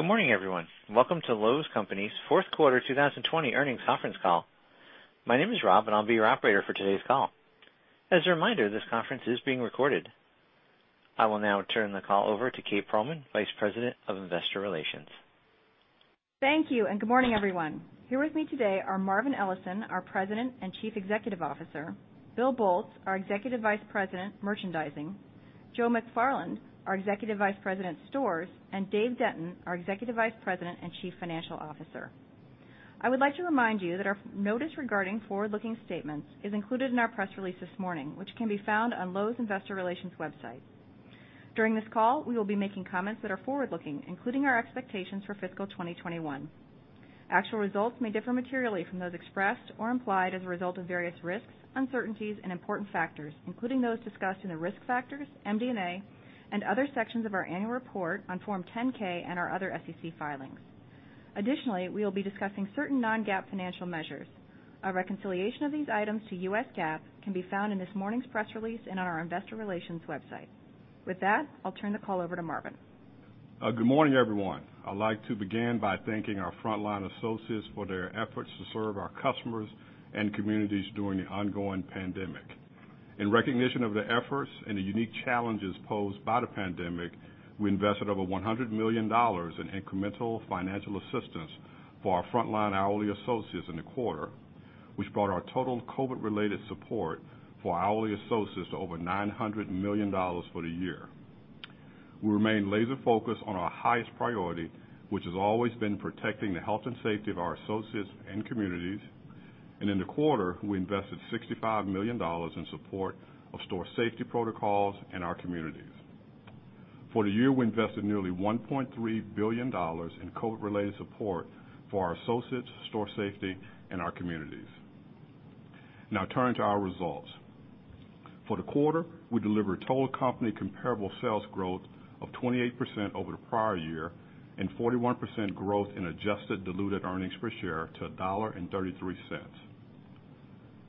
Good morning, everyone. Welcome to Lowe's Companies' fourth quarter 2020 earnings conference call. My name is Rob, and I will be your operator for today's call. As a reminder, this conference is being recorded. I will now turn the call over to Kate Pearlman, Vice President of Investor Relations. Thank you. Good morning, everyone. Here with me today are Marvin Ellison, our President and Chief Executive Officer, Bill Boltz, our Executive Vice President of Merchandising, Joe McFarland, our Executive Vice President of Stores, and Dave Denton, our Executive Vice President and Chief Financial Officer. I would like to remind you that our notice regarding forward-looking statements is included in our press release this morning, which can be found on Lowe's Investor Relations website. During this call, we will be making comments that are forward-looking, including our expectations for fiscal 2021. Actual results may differ materially from those expressed or implied as a result of various risks, uncertainties, and important factors, including those discussed in the Risk Factors, MD&A, and other sections of our annual report on Form 10-K and our other SEC filings. Additionally, we will be discussing certain non-GAAP financial measures. A reconciliation of these items to U.S. GAAP can be found in this morning's press release and on our investor relations website. With that, I'll turn the call over to Marvin. Good morning, everyone. I'd like to begin by thanking our frontline associates for their efforts to serve our customers and communities during the ongoing pandemic. In recognition of their efforts and the unique challenges posed by the pandemic, we invested over $100 million in incremental financial assistance for our frontline hourly associates in the quarter, which brought our total COVID-related support for hourly associates to over $900 million for the year. We remain laser-focused on our highest priority, which has always been protecting the health and safety of our associates and communities. In the quarter, we invested $65 million in support of store safety protocols in our communities. For the year, we invested nearly $1.3 billion in COVID-related support for our associates, store safety, and our communities. Now turning to our results. For the quarter, we delivered total company comparable sales growth of 28% over the prior year and 41% growth in adjusted diluted earnings per share to $1.33.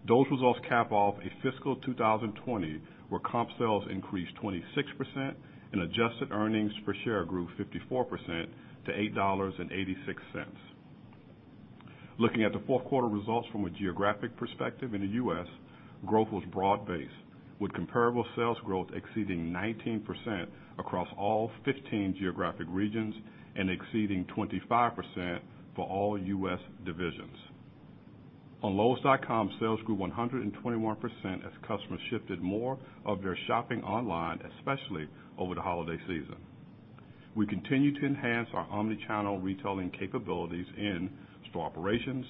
Those results cap off a fiscal 2020 where comp sales increased 26% and adjusted earnings per share grew 54% to $8.86. Looking at the fourth-quarter results from a geographic perspective in the U.S., growth was broad-based, with comparable sales growth exceeding 19% across all 15 geographic regions and exceeding 25% for all U.S. divisions. On Lowes.com, sales grew 121% as customers shifted more of their shopping online, especially over the holiday season. We continue to enhance our omni-channel retailing capabilities in store operations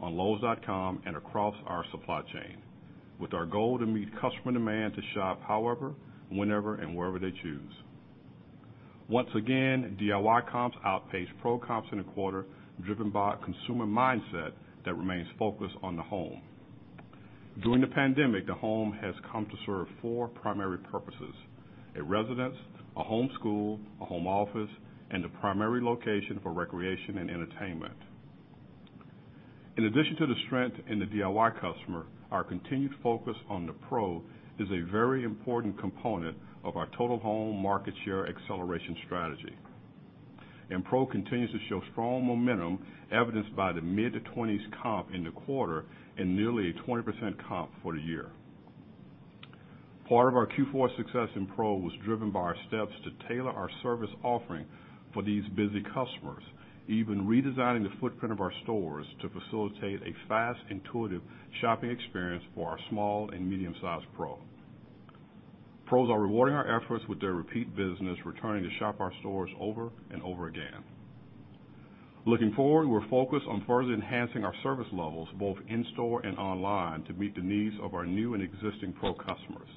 on Lowes.com and across our supply chain with our goal to meet customer demand to shop however, whenever, and wherever they choose. Once again, DIY comps outpaced Pro comps in the quarter, driven by a consumer mindset that remains focused on the home. During the pandemic, the home has come to serve four primary purposes: a residence, a home school, a home office, and the primary location for recreation and entertainment. In addition to the strength in the DIY customer, our continued focus on the Pro is a very important component of our Total Home market share acceleration strategy. Pro continues to show strong momentum, evidenced by the mid-20s comp in the quarter and nearly a 20% comp for the year. Part of our Q4 success in Pro was driven by our steps to tailor our service offering for these busy customers, even redesigning the footprint of our stores to facilitate a fast, intuitive shopping experience for our small and medium-sized Pro. Pros are rewarding our efforts with their repeat business, returning to shop our stores over and over again. Looking forward, we're focused on further enhancing our service levels, both in store and online, to meet the needs of our new and existing Pro customers.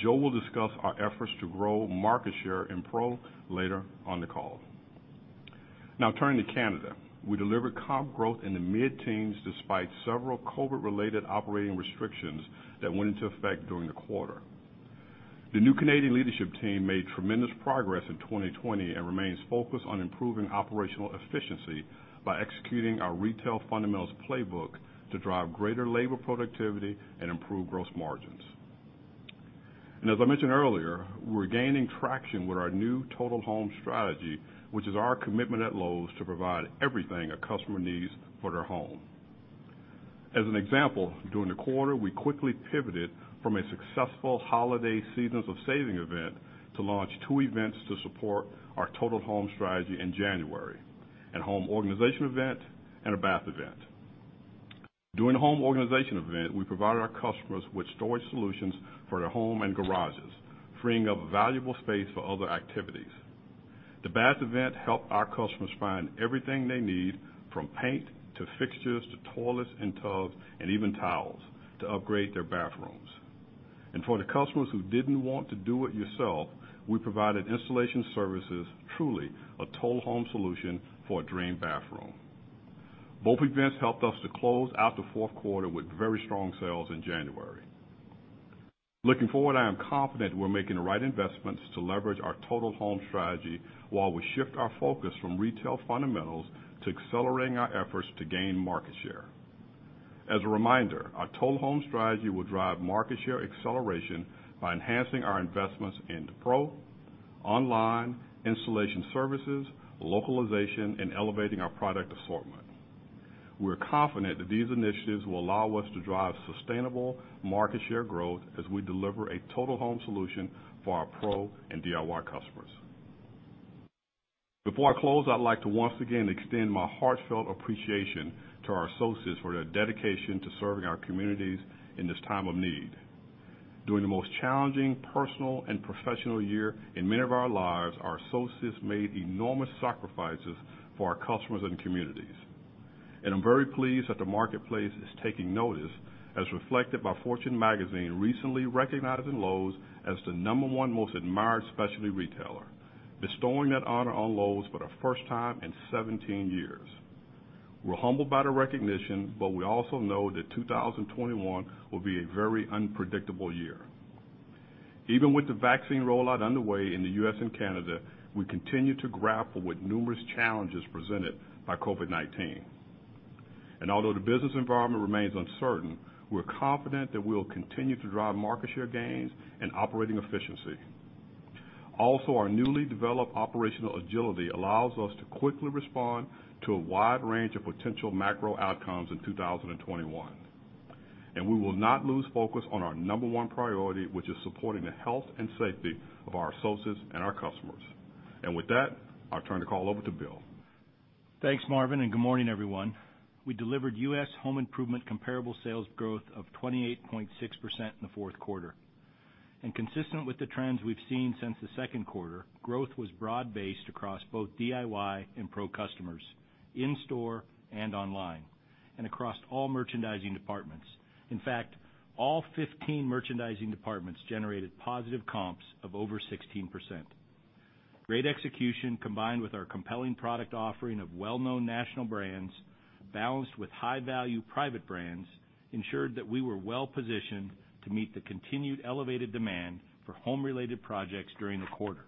Joe will discuss our efforts to grow market share in Pro later on the call. Turning to Canada. We delivered comp growth in the mid-teens despite several COVID-related operating restrictions that went into effect during the quarter. The new Canadian leadership team made tremendous progress in 2020 and remains focused on improving operational efficiency by executing our retail fundamentals playbook to drive greater labor productivity and improve gross margins. As I mentioned earlier, we're gaining traction with our new Total Home strategy, which is our commitment at Lowe's to provide everything a customer needs for their home. As an example, during the quarter, we quickly pivoted from a successful holiday Season of Savings event to launch two events to support our Total Home strategy in January, a home organization event and a bath event. During the home organization event, we provided our customers with storage solutions for their home and garages, freeing up valuable space for other activities. The bath event helped our customers find everything they need, from paint to fixtures to toilets and tubs, and even towels to upgrade their bathrooms. For the customers who didn't want to do it themselves, we provided installation services, truly a Total Home solution for a dream bathroom. Both events helped us to close out the fourth quarter with very strong sales in January. Looking forward, I am confident we're making the right investments to leverage our Total Home strategy while we shift our focus from retail fundamentals to accelerating our efforts to gain market share. As a reminder, our Total Home strategy will drive market share acceleration by enhancing our investments into Pro, online, installation services, localization, and elevating our product assortment. We are confident that these initiatives will allow us to drive sustainable market share growth as we deliver a total home solution for our Pro and DIY customers. Before I close, I'd like to once again extend my heartfelt appreciation to our associates for their dedication to serving our communities in this time of need. During the most challenging personal and professional year in many of our lives, our associates made enormous sacrifices for our customers and communities. I'm very pleased that the marketplace is taking notice, as reflected by Fortune magazine recently recognizing Lowe's as the number one most admired specialty retailer, bestowing that honor on Lowe's for the first time in 17 years. We're humbled by the recognition, but we also know that 2021 will be a very unpredictable year. Even with the vaccine rollout underway in the U.S. and Canada, we continue to grapple with numerous challenges presented by COVID-19. Although the business environment remains uncertain, we're confident that we'll continue to drive market share gains and operating efficiency. Also, our newly developed operational agility allows us to quickly respond to a wide range of potential macro outcomes in 2021. We will not lose focus on our number one priority, which is supporting the health and safety of our associates and our customers. With that, I'll turn the call over to Bill. Thanks, Marvin, and good morning, everyone. We delivered U.S. home improvement comparable sales growth of 28.6% in the fourth quarter. Consistent with the trends we've seen since the second quarter, growth was broad-based across both DIY and Pro customers, in-store and online, and across all merchandising departments. In fact, all 15 merchandising departments generated positive comps of over 16%. Great execution, combined with our compelling product offering of well-known national brands, balanced with high-value private brands, ensured that we were well-positioned to meet the continued elevated demand for home-related projects during the quarter.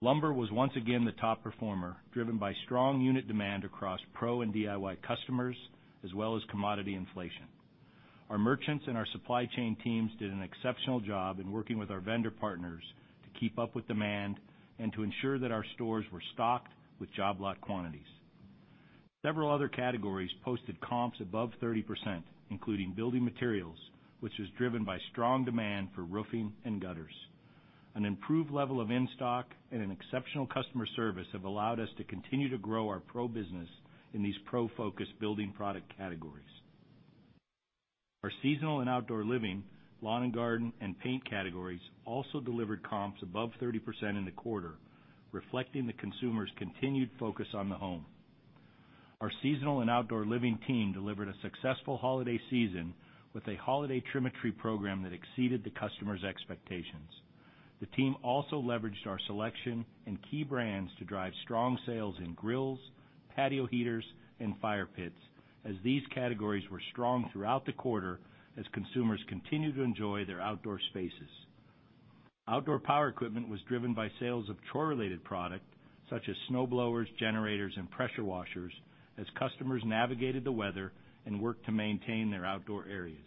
Lumber was once again the top performer, driven by strong unit demand across Pro and DIY customers, as well as commodity inflation. Our merchants and our supply chain teams did an exceptional job in working with our vendor partners to keep up with demand and to ensure that our stores were stocked with job lot quantities. Several other categories posted comps above 30%, including building materials, which was driven by strong demand for roofing and gutters. An improved level of in-stock and an exceptional customer service have allowed us to continue to grow our Pro business in these Pro-focused building product categories. Our seasonal and outdoor living, lawn and garden, and paint categories also delivered comps above 30% in the quarter, reflecting the consumer's continued focus on the home. Our seasonal and outdoor living team delivered a successful holiday season with a holiday trim-a-tree program that exceeded the customer's expectations. The team also leveraged our selection and key brands to drive strong sales in grills, patio heaters, and fire pits, as these categories were strong throughout the quarter as consumers continued to enjoy their outdoor spaces. Outdoor power equipment was driven by sales of chore-related product, such as snowblowers, generators, and pressure washers, as customers navigated the weather and worked to maintain their outdoor areas.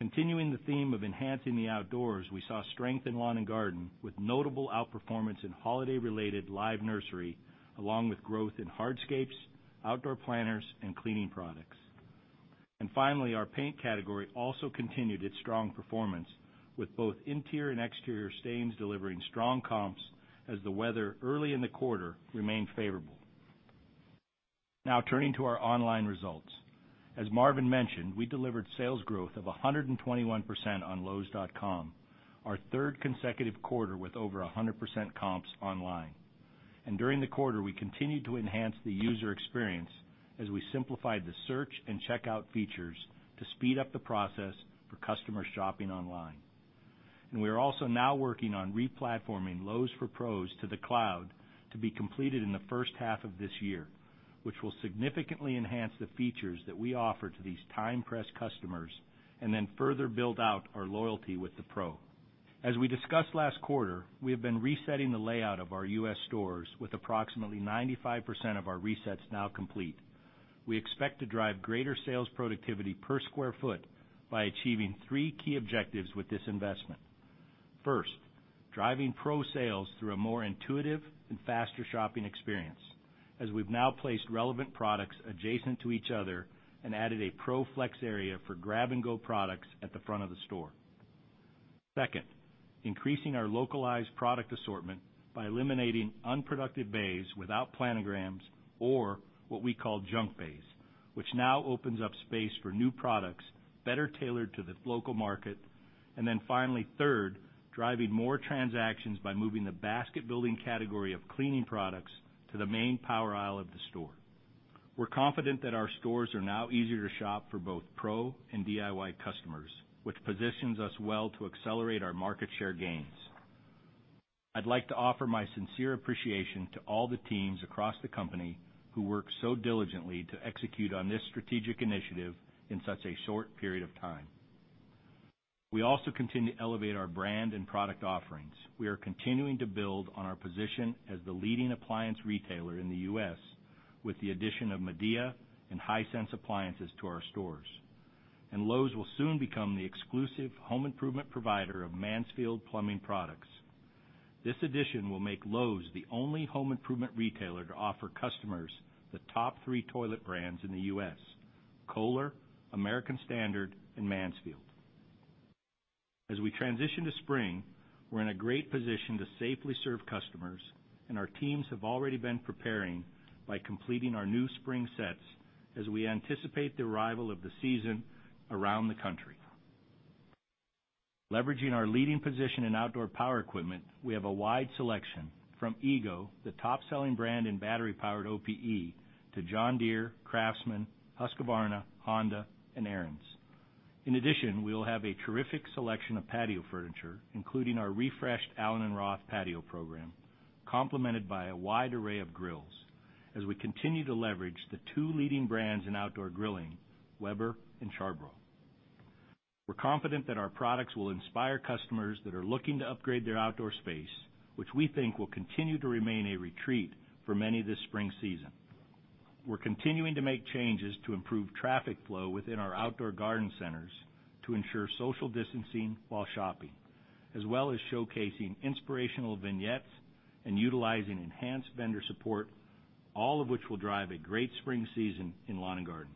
Continuing the theme of enhancing the outdoors, we saw strength in lawn and garden, with notable outperformance in holiday-related live nursery, along with growth in hardscapes, outdoor planters, and cleaning products. Finally, our paint category also continued its strong performance, with both interior and exterior stains delivering strong comps as the weather early in the quarter remained favorable. Now, turning to our online results. As Marvin mentioned, we delivered sales growth of 121% on Lowes.com, our third consecutive quarter with over 100% comps online. During the quarter, we continued to enhance the user experience as we simplified the search and checkout features to speed up the process for customer shopping online. We are also now working on replatforming Lowe's for Pros to the cloud to be completed in the first half of this year, which will significantly enhance the features that we offer to these time-pressed customers, and then further build out our loyalty with the Pro. As we discussed last quarter, we have been resetting the layout of our U.S. stores with approximately 95% of our resets now complete. We expect to drive greater sales productivity per square foot by achieving three key objectives with this investment. First, driving Pro sales through a more intuitive and faster shopping experience, as we've now placed relevant products adjacent to each other and added a Pro flex area for grab-and-go products at the front of the store. Second, increasing our localized product assortment by eliminating unproductive bays without planograms or what we call junk bays, which now opens up space for new products better tailored to the local market. Finally, third, driving more transactions by moving the basket-building category of cleaning products to the main power aisle of the store. We're confident that our stores are now easier to shop for both Pro and DIY customers, which positions us well to accelerate our market share gains. I'd like to offer my sincere appreciation to all the teams across the company who worked so diligently to execute on this strategic initiative in such a short period of time. We also continue to elevate our brand and product offerings. We are continuing to build on our position as the leading appliance retailer in the U.S. with the addition of Midea and Hisense appliances to our stores. Lowe's will soon become the exclusive home improvement provider of Mansfield Plumbing products. This addition will make Lowe's the only home improvement retailer to offer customers the top three toilet brands in the U.S.: Kohler, American Standard, and Mansfield. As we transition to spring, we're in a great position to safely serve customers, and our teams have already been preparing by completing our new spring sets as we anticipate the arrival of the season around the country. Leveraging our leading position in outdoor power equipment, we have a wide selection, from EGO, the top-selling brand in battery-powered OPE, to John Deere, Craftsman, Husqvarna, Honda, and Ariens. In addition, we will have a terrific selection of patio furniture, including our refreshed allen + roth patio program, complemented by a wide array of grills as we continue to leverage the two leading brands in outdoor grilling, Weber and Char-Broil. We're confident that our products will inspire customers that are looking to upgrade their outdoor space, which we think will continue to remain a retreat for many this spring season. We're continuing to make changes to improve traffic flow within our outdoor garden centers to ensure social distancing while shopping, as well as showcasing inspirational vignettes and utilizing enhanced vendor support, all of which will drive a great spring season in lawn and garden.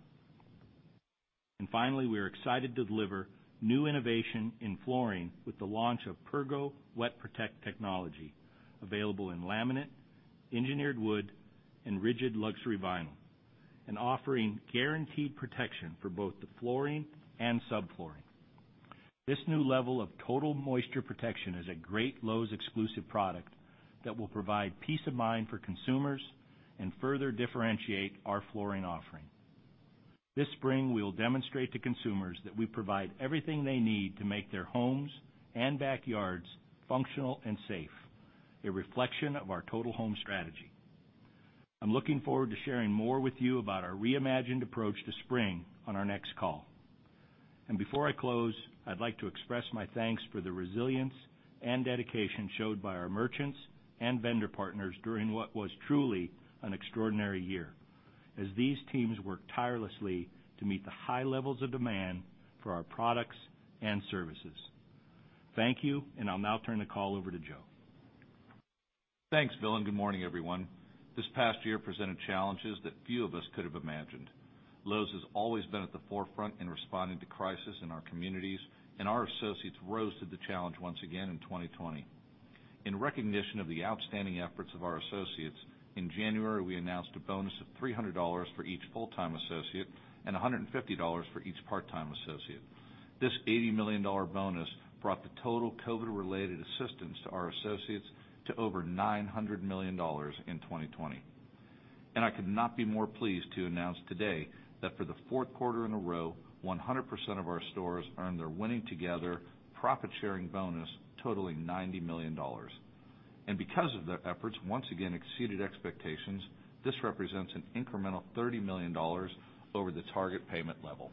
Finally, we are excited to deliver new innovation in flooring with the launch of Pergo WetProtect technology, available in laminate, engineered wood, and rigid luxury vinyl, and offering guaranteed protection for both the flooring and subflooring. This new level of total moisture protection is a great Lowe's exclusive product that will provide peace of mind for consumers and further differentiate our flooring offering. This spring, we will demonstrate to consumers that we provide everything they need to make their homes and backyards functional and safe, a reflection of our Total Home strategy. I'm looking forward to sharing more with you about our reimagined approach to spring on our next call. Before I close, I'd like to express my thanks for the resilience and dedication showed by our merchants and vendor partners during what was truly an extraordinary year, as these teams worked tirelessly to meet the high levels of demand for our products and services. Thank you, and I'll now turn the call over to Joe. Thanks, Bill, good morning, everyone. This past year presented challenges that few of us could have imagined. Lowe's has always been at the forefront in responding to crisis in our communities, our associates rose to the challenge once again in 2020. In recognition of the outstanding efforts of our associates, in January, we announced a bonus of $300 for each full-time associate and $150 for each part-time associate. This $80 million bonus brought the total COVID-related assistance to our associates to over $900 million in 2020. I could not be more pleased to announce today that for the fourth quarter in a row, 100% of our stores earned their Winning Together profit-sharing bonus, totaling $90 million. Because their efforts once again exceeded expectations, this represents an incremental $30 million over the target payment level.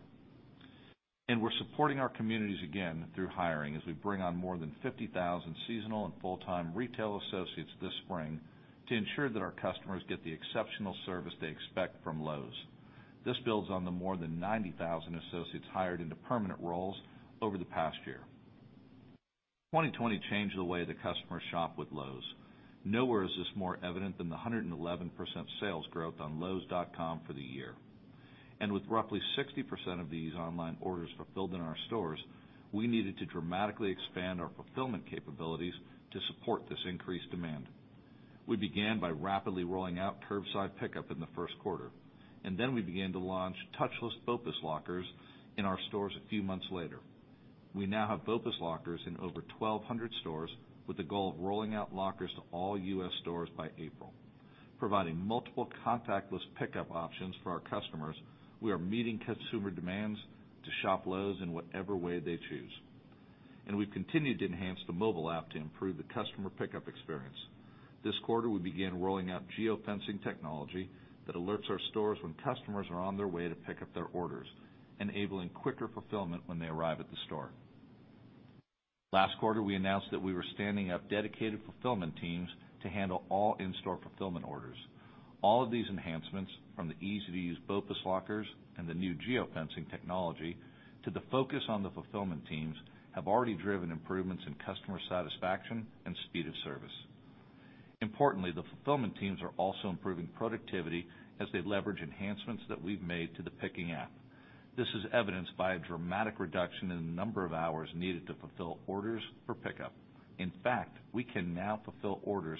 We're supporting our communities again through hiring as we bring on more than 50,000 seasonal and full-time retail associates this spring to ensure that our customers get the exceptional service they expect from Lowe's. This builds on the more than 90,000 associates hired into permanent roles over the past year. 2020 changed the way the customers shop with Lowe's. Nowhere is this more evident than the 111% sales growth on Lowes.com for the year. With roughly 60% of these online orders fulfilled in our stores, we needed to dramatically expand our fulfillment capabilities to support this increased demand. We began by rapidly rolling out curbside pickup in the first quarter, then we began to launch touchless BOPIS lockers in our stores a few months later. We now have BOPIS lockers in over 1,200 stores with the goal of rolling out lockers to all U.S. stores by April. Providing multiple contactless pickup options for our customers, we are meeting consumer demands to shop Lowe's in whatever way they choose. We've continued to enhance the mobile app to improve the customer pickup experience. This quarter, we began rolling out geofencing technology that alerts our stores when customers are on their way to pick up their orders, enabling quicker fulfillment when they arrive at the store. Last quarter, we announced that we were standing up dedicated fulfillment teams to handle all in-store fulfillment orders. All of these enhancements, from the easy-to-use BOPIS lockers and the new geofencing technology to the focus on the fulfillment teams, have already driven improvements in customer satisfaction and speed of service. Importantly, the fulfillment teams are also improving productivity as they leverage enhancements that we've made to the picking app. This is evidenced by a dramatic reduction in the number of hours needed to fulfill orders for pickup. In fact, we can now fulfill orders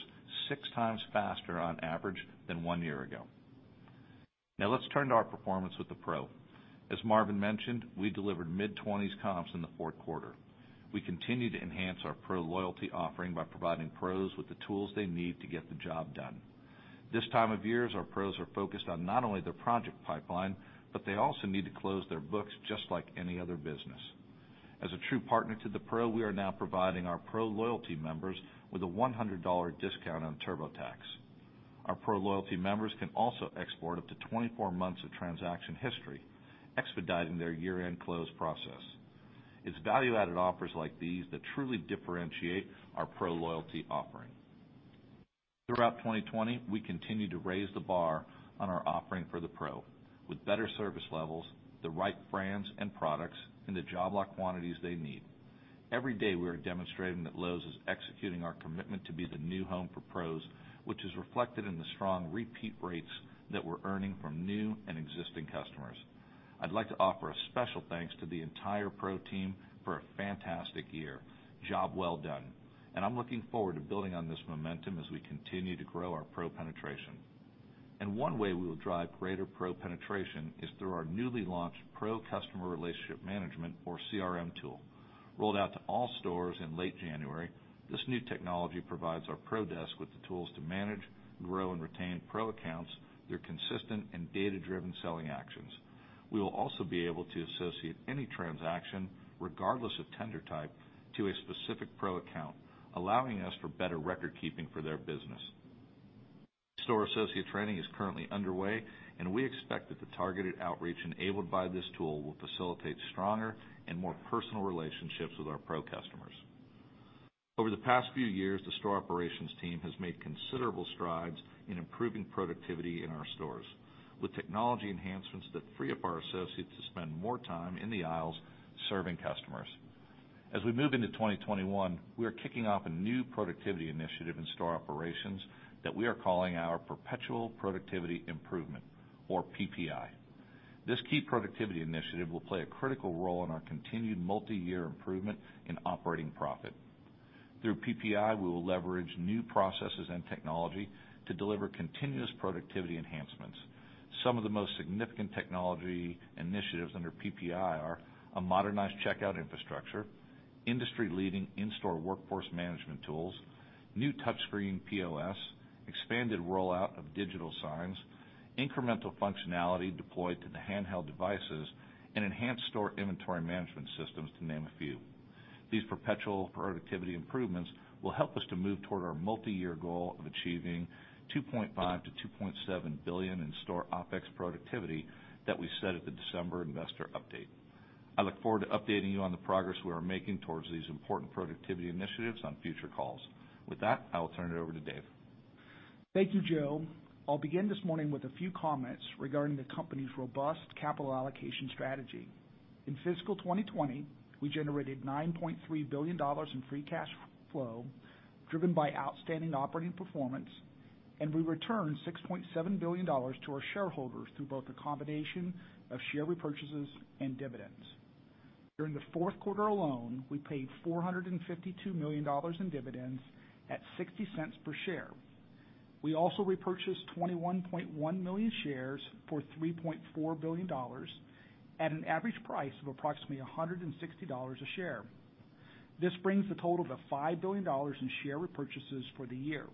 six times faster on average than one year ago. Let's turn to our performance with the Pro. As Marvin mentioned, we delivered mid-20s comps in the fourth quarter. We continue to enhance our Pro loyalty offering by providing Pros with the tools they need to get the job done. This time of year, our Pros are focused on not only their project pipeline, but they also need to close their books just like any other business. As a true partner to the Pro, we are now providing our Pro loyalty members with a $100 discount on TurboTax. Our Pro loyalty members can also export up to 24 months of transaction history, expediting their year-end close process. It's value-added offers like these that truly differentiate our Pro loyalty offering. Throughout 2020, we continued to raise the bar on our offering for the Pro with better service levels, the right brands and products, and the job lot quantities they need. Every day, we are demonstrating that Lowe's is executing our commitment to be the new home for Pros, which is reflected in the strong repeat rates that we're earning from new and existing customers. I'd like to offer a special thanks to the entire Pro team for a fantastic year. Job well done, and I'm looking forward to building on this momentum as we continue to grow our Pro penetration. One way we will drive greater Pro penetration is through our newly launched Pro customer relationship management or CRM tool. Rolled out to all stores in late January, this new technology provides our Pro desk with the tools to manage, grow, and retain Pro accounts through consistent and data-driven selling actions. We will also be able to associate any transaction, regardless of tender type to a specific Pro account, allowing us for better record-keeping for their business. Store associate training is currently underway, and we expect that the targeted outreach enabled by this tool will facilitate stronger and more personal relationships with our Pro customers. Over the past few years, the store operations team has made considerable strides in improving productivity in our stores with technology enhancements that free up our associates to spend more time in the aisles serving customers. As we move into 2021, we are kicking off a new productivity initiative in store operations that we are calling our Perpetual Productivity Improvement or PPI. This key productivity initiative will play a critical role in our continued multi-year improvement in operating profit. Through PPI, we will leverage new processes and technology to deliver continuous productivity enhancements. Some of the most significant technology initiatives under PPI are a modernized checkout infrastructure, industry-leading in-store workforce management tools, new touchscreen POS, expanded rollout of digital signs, incremental functionality deployed to the handheld devices, and enhanced store inventory management systems, to name a few. These perpetual productivity improvements will help us to move toward our multi-year goal of achieving $2.5 billion-$2.7 billion in store OPEX productivity that we set at the December investor update. I look forward to updating you on the progress we are making towards these important productivity initiatives on future calls. With that, I will turn it over to Dave. Thank you, Joe. I'll begin this morning with a few comments regarding the company's robust capital allocation strategy. In fiscal 2020, we generated $9.3 billion in free cash flow, driven by outstanding operating performance, and we returned $6.7 billion to our shareholders through both a combination of share repurchases and dividends. During the fourth quarter alone, we paid $452 million in dividends at $0.60 per share. We also repurchased 21.1 million shares for $3.4 billion at an average price of approximately $160 a share. This brings the total to $5 billion in share repurchases for the year.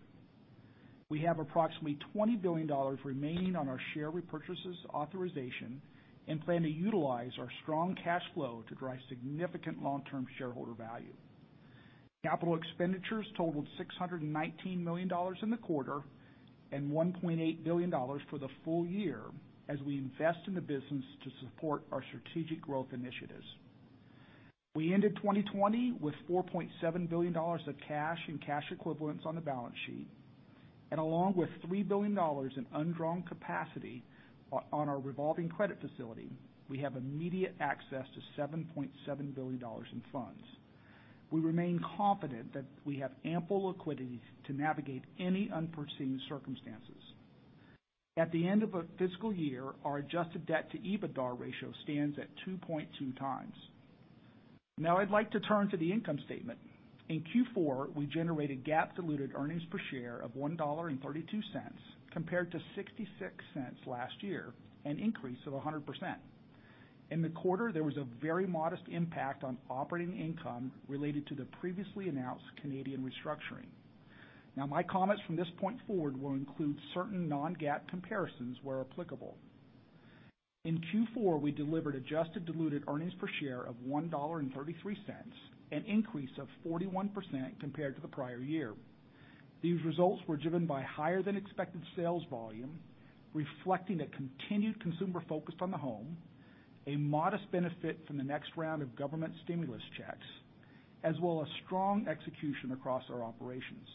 We have approximately $20 billion remaining on our share repurchases authorization and plan to utilize our strong cash flow to drive significant long-term shareholder value. Capital expenditures totaled $619 million in the quarter and $1.8 billion for the full year as we invest in the business to support our strategic growth initiatives. We ended 2020 with $4.7 billion of cash and cash equivalents on the balance sheet. Along with $3 billion in undrawn capacity on our revolving credit facility, we have immediate access to $7.7 billion in funds. We remain confident that we have ample liquidity to navigate any unforeseen circumstances. At the end of a fiscal year, our adjusted debt to EBITDA ratio stands at 2.2 times. I'd like to turn to the income statement. In Q4, we generated GAAP diluted earnings per share of $1.32 compared to $0.66 last year, an increase of 100%. In the quarter, there was a very modest impact on operating income related to the previously announced Canadian restructuring. Now my comments from this point forward will include certain non-GAAP comparisons where applicable. In Q4, we delivered adjusted diluted earnings per share of $1.33, an increase of 41% compared to the prior year. These results were driven by higher than expected sales volume, reflecting a continued consumer focus on the home, a modest benefit from the next round of government stimulus checks, as well as strong execution across our operations.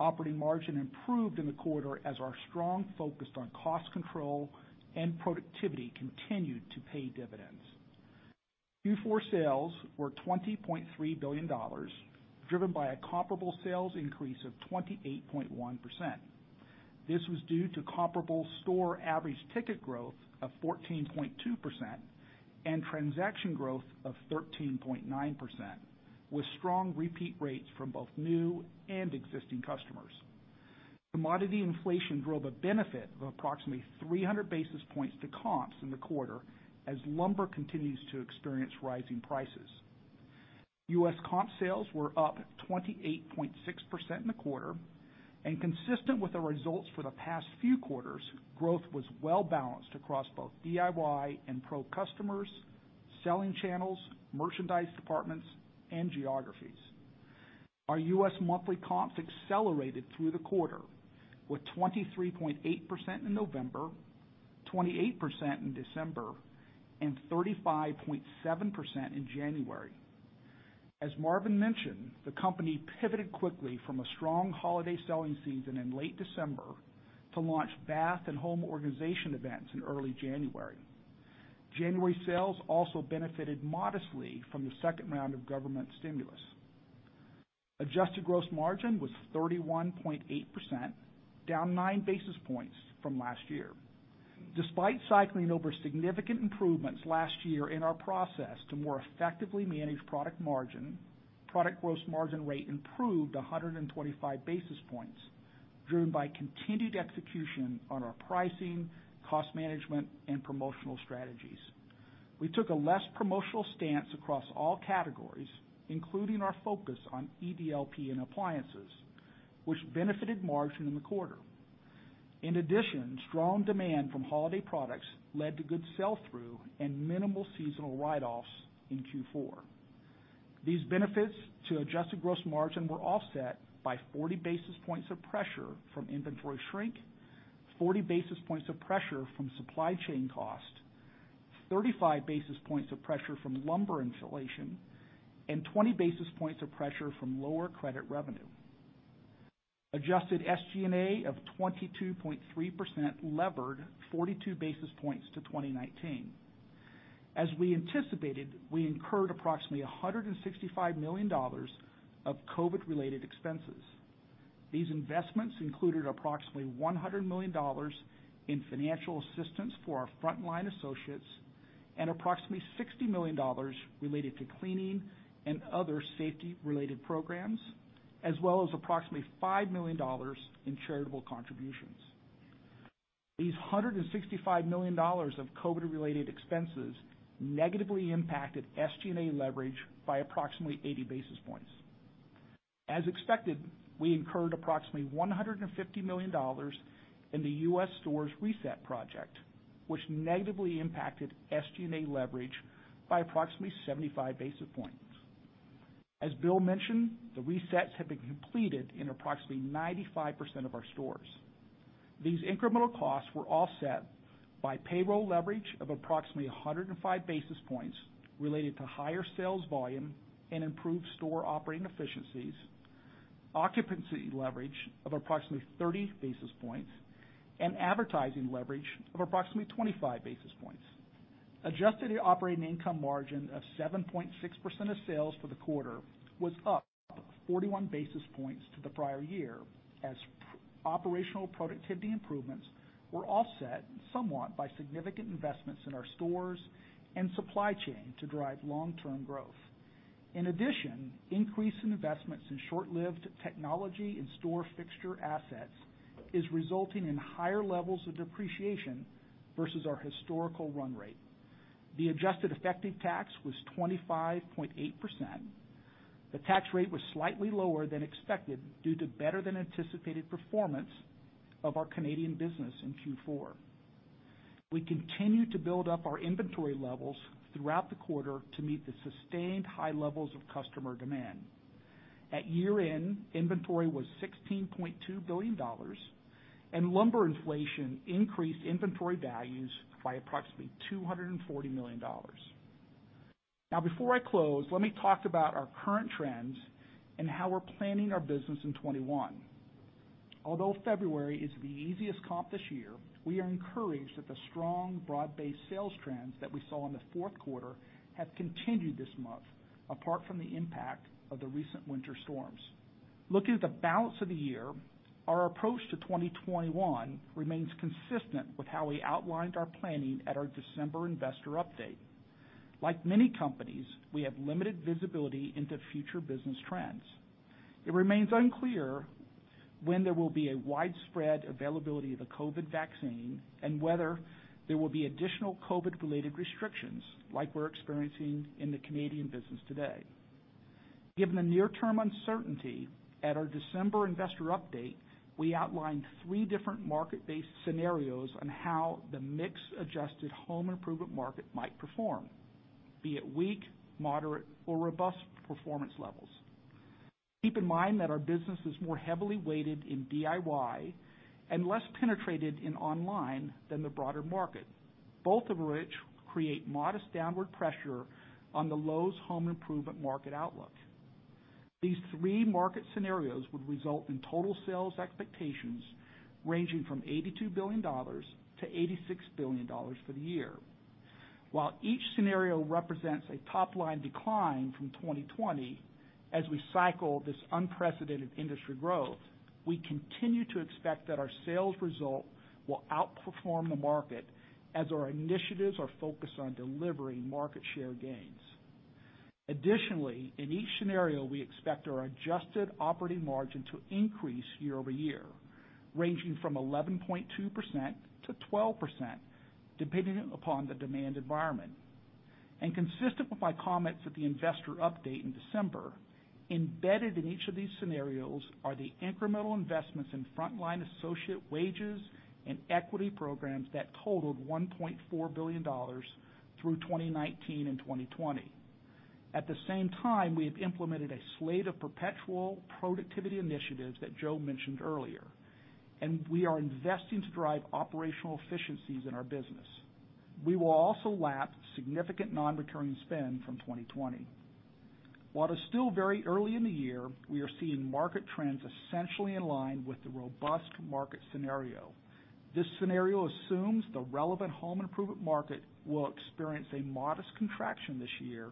Operating margin improved in the quarter as our strong focus on cost control and productivity continued to pay dividends. Q4 sales were $20.3 billion, driven by a comparable sales increase of 28.1%. This was due to comparable store average ticket growth of 14.2% and transaction growth of 13.9%, with strong repeat rates from both new and existing customers. Commodity inflation drove a benefit of approximately 300 basis points to comps in the quarter as lumber continues to experience rising prices. U.S. comp sales were up 28.6% in the quarter and consistent with the results for the past few quarters, growth was well-balanced across both DIY and Pro customers, selling channels, merchandise departments, and geographies. Our U.S. monthly comps accelerated through the quarter with 23.8% in November, 28% in December, and 35.7% in January. As Marvin mentioned, the company pivoted quickly from a strong holiday selling season in late December to launch bath and home organization events in early January. January sales also benefited modestly from the second round of government stimulus. Adjusted gross margin was 31.8%, down nine basis points from last year. Despite cycling over significant improvements last year in our process to more effectively manage product margin, product gross margin rate improved 125 basis points, driven by continued execution on our pricing, cost management, and promotional strategies. We took a less promotional stance across all categories, including our focus on EDLP and appliances, which benefited margin in the quarter. In addition, strong demand from holiday products led to good sell-through and minimal seasonal write-offs in Q4. These benefits to adjusted gross margin were offset by 40 basis points of pressure from inventory shrink, 40 basis points of pressure from supply chain cost, 35 basis points of pressure from lumber inflation, and 20 basis points of pressure from lower credit revenue. Adjusted SG&A of 22.3% levered 42 basis points to 2019. As we anticipated, we incurred approximately $165 million of COVID-related expenses. These investments included approximately $100 million in financial assistance for our frontline associates and approximately $60 million related to cleaning and other safety-related programs, as well as approximately $5 million in charitable contributions. These $165 million of COVID-related expenses negatively impacted SG&A leverage by approximately 80 basis points. As expected, we incurred approximately $150 million in the U.S. stores reset project, which negatively impacted SG&A leverage by approximately 75 basis points. As Bill mentioned, the resets have been completed in approximately 95% of our stores. These incremental costs were offset by payroll leverage of approximately 105 basis points related to higher sales volume and improved store operating efficiencies, occupancy leverage of approximately 30 basis points, and advertising leverage of approximately 25 basis points. Adjusted operating income margin of 7.6% of sales for the quarter was up 41 basis points to the prior year as operational productivity improvements were offset somewhat by significant investments in our stores and supply chain to drive long-term growth. In addition, increase in investments in short-lived technology and store fixture assets is resulting in higher levels of depreciation versus our historical run rate. The adjusted effective tax was 25.8%. The tax rate was slightly lower than expected due to better than anticipated performance of our Canadian business in Q4. We continued to build up our inventory levels throughout the quarter to meet the sustained high levels of customer demand. At year-end, inventory was $16.2 billion and lumber inflation increased inventory values by approximately $240 million. Now, before I close, let me talk about our current trends and how we're planning our business in 2021. Although February is the easiest comp this year, we are encouraged that the strong broad-based sales trends that we saw in the fourth quarter have continued this month, apart from the impact of the recent winter storms. Looking at the balance of the year, our approach to 2021 remains consistent with how we outlined our planning at our December investor update. Like many companies, we have limited visibility into future business trends. It remains unclear when there will be a widespread availability of the COVID vaccine and whether there will be additional COVID related restrictions like we're experiencing in the Canadian business today. Given the near-term uncertainty, at our December investor update, we outlined three different market-based scenarios on how the mix adjusted home improvement market might perform, be it weak, moderate, or robust performance levels. Keep in mind that our business is more heavily weighted in DIY and less penetrated in online than the broader market, both of which create modest downward pressure on the Lowe's home improvement market outlook. These three market scenarios would result in total sales expectations ranging from $82 billion-$86 billion for the year. While each scenario represents a top-line decline from 2020, as we cycle this unprecedented industry growth, we continue to expect that our sales result will outperform the market as our initiatives are focused on delivering market share gains. Additionally, in each scenario, we expect our adjusted operating margin to increase year-over-year, ranging from 11.2%-12%, depending upon the demand environment. Consistent with my comments at the investor update in December, embedded in each of these scenarios are the incremental investments in frontline associate wages and equity programs that totaled $1.4 billion through 2019 and 2020. At the same time, we have implemented a slate of Perpetual Productivity Initiatives that Joe mentioned earlier, and we are investing to drive operational efficiencies in our business. We will also lap significant non-recurring spend from 2020. While it is still very early in the year, we are seeing market trends essentially in line with the robust market scenario. This scenario assumes the relevant home improvement market will experience a modest contraction this year.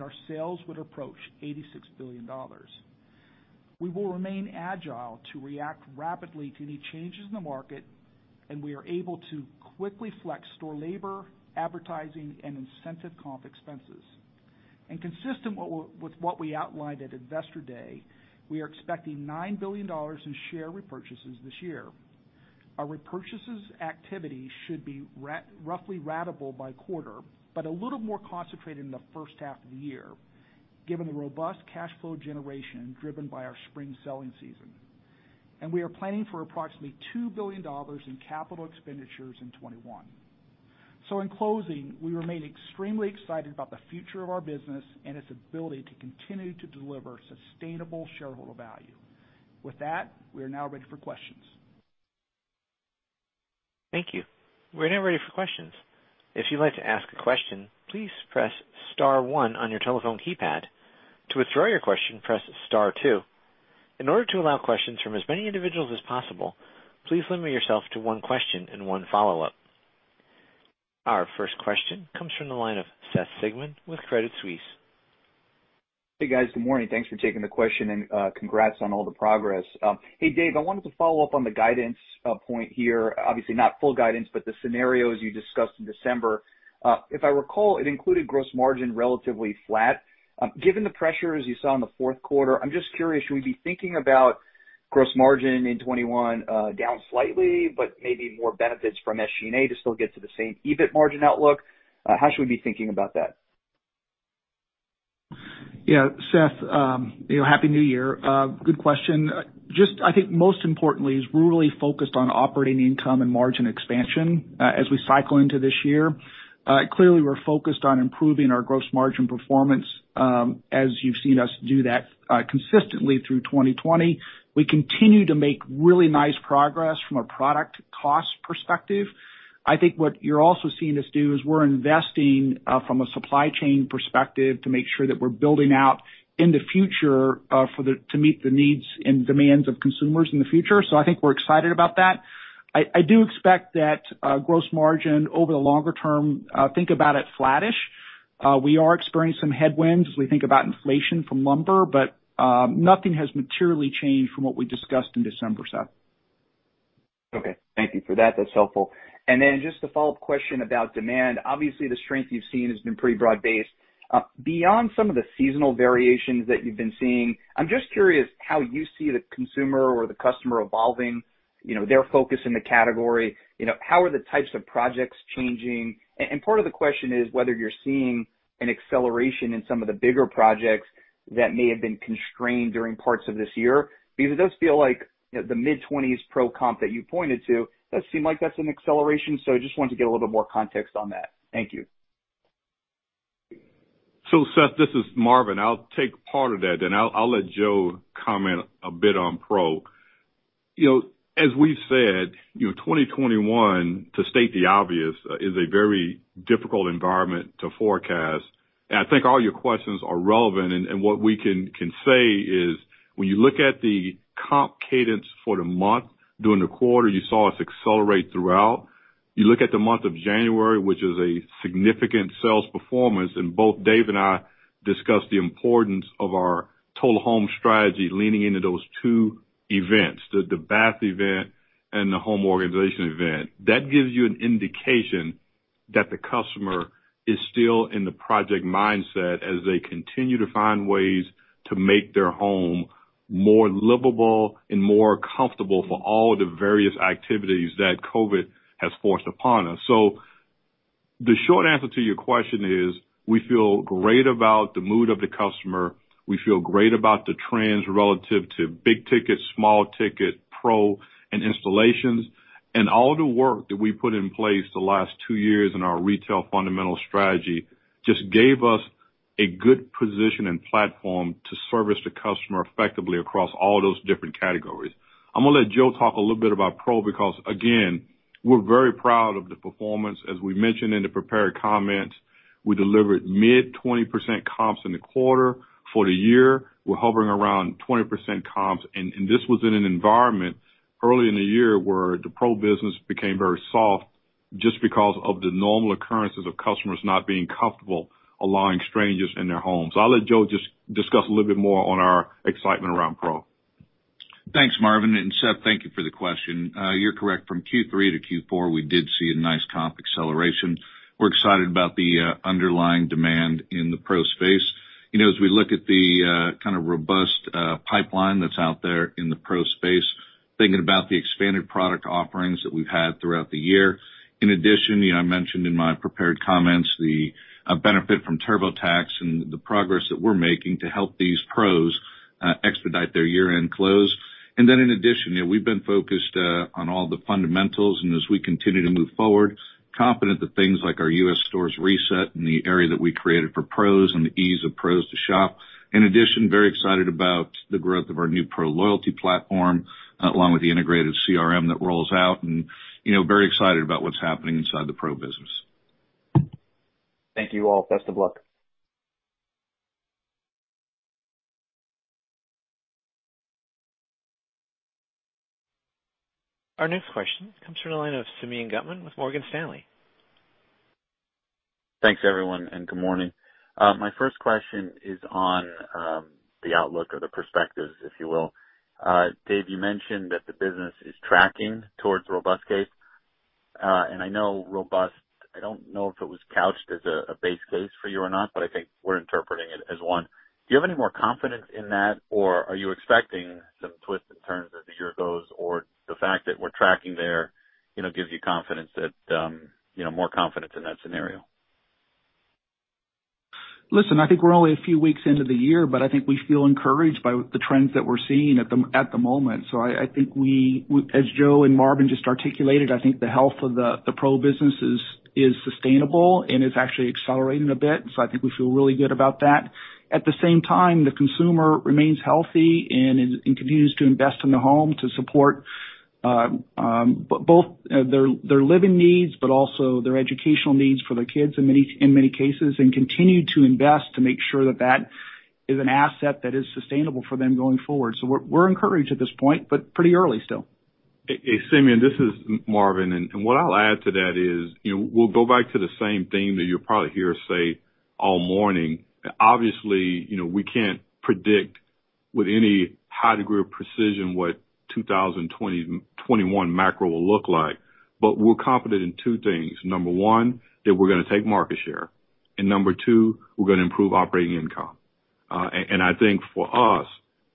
Our sales would approach $86 billion. We will remain agile to react rapidly to any changes in the market. We are able to quickly flex store labor, advertising, and incentive comp expenses. Consistent with what we outlined at Investor Day, we are expecting $9 billion in share repurchases this year. Our repurchases activity should be roughly ratable by quarter. A little more concentrated in the first half of the year, given the robust cash flow generation driven by our spring selling season. We are planning for approximately $2 billion in capital expenditures in 2021. In closing, we remain extremely excited about the future of our business and its ability to continue to deliver sustainable shareholder value. With that, we are now ready for questions. Thank you. We're now ready for questions. If you'd like to ask a question, please press star one on your telephone keypad. To withdraw your question, press star two. In order to allow questions from as many individuals as possible, please limit yourself to one question and one follow-up. Our first question comes from the line of Seth Sigman with Credit Suisse. Hey, guys. Good morning. Thanks for taking the question, and congrats on all the progress. Hey, Dave, I wanted to follow up on the guidance point here. Obviously, not full guidance, but the scenarios you discussed in December. If I recall, it included gross margin relatively flat. Given the pressures you saw in the fourth quarter, I'm just curious, should we be thinking about gross margin in 2021 down slightly, but maybe more benefits from SG&A to still get to the same EBIT margin outlook? How should we be thinking about that? Seth, Happy New Year. Good question. I think most importantly is we're really focused on operating income and margin expansion as we cycle into this year. Clearly, we're focused on improving our gross margin performance, as you've seen us do that consistently through 2020. We continue to make really nice progress from a product cost perspective. I think what you're also seeing us do is we're investing from a supply chain perspective to make sure that we're building out in the future to meet the needs and demands of consumers in the future. I think we're excited about that. I do expect that gross margin over the longer term, think about it flattish. We are experiencing some headwinds as we think about inflation from lumber, nothing has materially changed from what we discussed in December, Seth. Okay. Thank you for that. That's helpful. Just a follow-up question about demand. Obviously, the strength you've seen has been pretty broad-based. Beyond some of the seasonal variations that you've been seeing, I'm just curious how you see the consumer or the customer evolving, their focus in the category. How are the types of projects changing? Part of the question is whether you're seeing an acceleration in some of the bigger projects that may have been constrained during parts of this year. It does feel like the mid-20s Pro comp that you pointed to, does seem like that's an acceleration. I just wanted to get a little bit more context on that. Thank you. Seth, this is Marvin. I'll take part of that, and I'll let Joe comment a bit on Pro. As we've said, 2021, to state the obvious, is a very difficult environment to forecast. I think all your questions are relevant, and what we can say is when you look at the comp cadence for the month during the quarter, you saw us accelerate throughout. You look at the month of January, which is a significant sales performance, and both Dave and I discussed the importance of our Total Home strategy leaning into those two events, the bath event and the home organization event. That gives you an indication that the customer is still in the project mindset as they continue to find ways to make their home more livable and more comfortable for all the various activities that COVID has forced upon us. The short answer to your question is, we feel great about the mood of the customer. We feel great about the trends relative to big ticket, small ticket, Pro, and installations. All the work that we put in place the last two years in our retail fundamental strategy just gave us a good position and platform to service the customer effectively across all those different categories. I'm going to let Joe talk a little bit about Pro because, again, we're very proud of the performance. As we mentioned in the prepared comments, we delivered mid-20% comps in the quarter. For the year, we're hovering around 20% comps. This was in an environment early in the year where the pro business became very soft just because of the normal occurrences of customers not being comfortable allowing strangers in their homes. I'll let Joe just discuss a little bit more on our excitement around Pro. Thanks, Marvin, and Seth, thank you for the question. You're correct, from Q3 to Q4, we did see a nice comp acceleration. We're excited about the underlying demand in the pro space. As we look at the kind of robust pipeline that's out there in the Pro space, thinking about the expanded product offerings that we've had throughout the year. In addition, I mentioned in my prepared comments the benefit from TurboTax and the progress that we're making to help these Pros expedite their year-end close. In addition, we've been focused on all the fundamentals and as we continue to move forward. Confident that things like our U.S. stores reset and the area that we created for Pros and the ease of Pros to shop. Very excited about the growth of our new Pro Loyalty Platform, along with the integrated CRM that rolls out, and very excited about what's happening inside the Pro business. Thank you all. Best of luck. Our next question comes from the line of Simeon Gutman with Morgan Stanley. Thanks, everyone, and good morning. My first question is on the outlook or the perspectives, if you will. Dave, you mentioned that the business is tracking towards robust case. I know robust, I don't know if it was couched as a base case for you or not, but I think we're interpreting it as one. Do you have any more confidence in that, or are you expecting some twists and turns as the year goes, or the fact that we're tracking there gives you more confidence in that scenario? Listen, I think we're only a few weeks into the year, but I think we feel encouraged by the trends that we're seeing at the moment. I think we, as Joe and Marvin just articulated, I think the health of the Pro business is sustainable and is actually accelerating a bit. I think we feel really good about that. At the same time, the consumer remains healthy and continues to invest in the home to support both their living needs, but also their educational needs for their kids in many cases, and continue to invest to make sure that is an asset that is sustainable for them going forward. We're encouraged at this point, but pretty early still. Hey, Simeon, this is Marvin. What I'll add to that is, we'll go back to the same theme that you'll probably hear us say all morning. Obviously, we can't predict with any high degree of precision what 2021 macro will look like. We're confident in two things. Number one, that we're gonna take market share. Number two, we're gonna improve operating income. I think for us,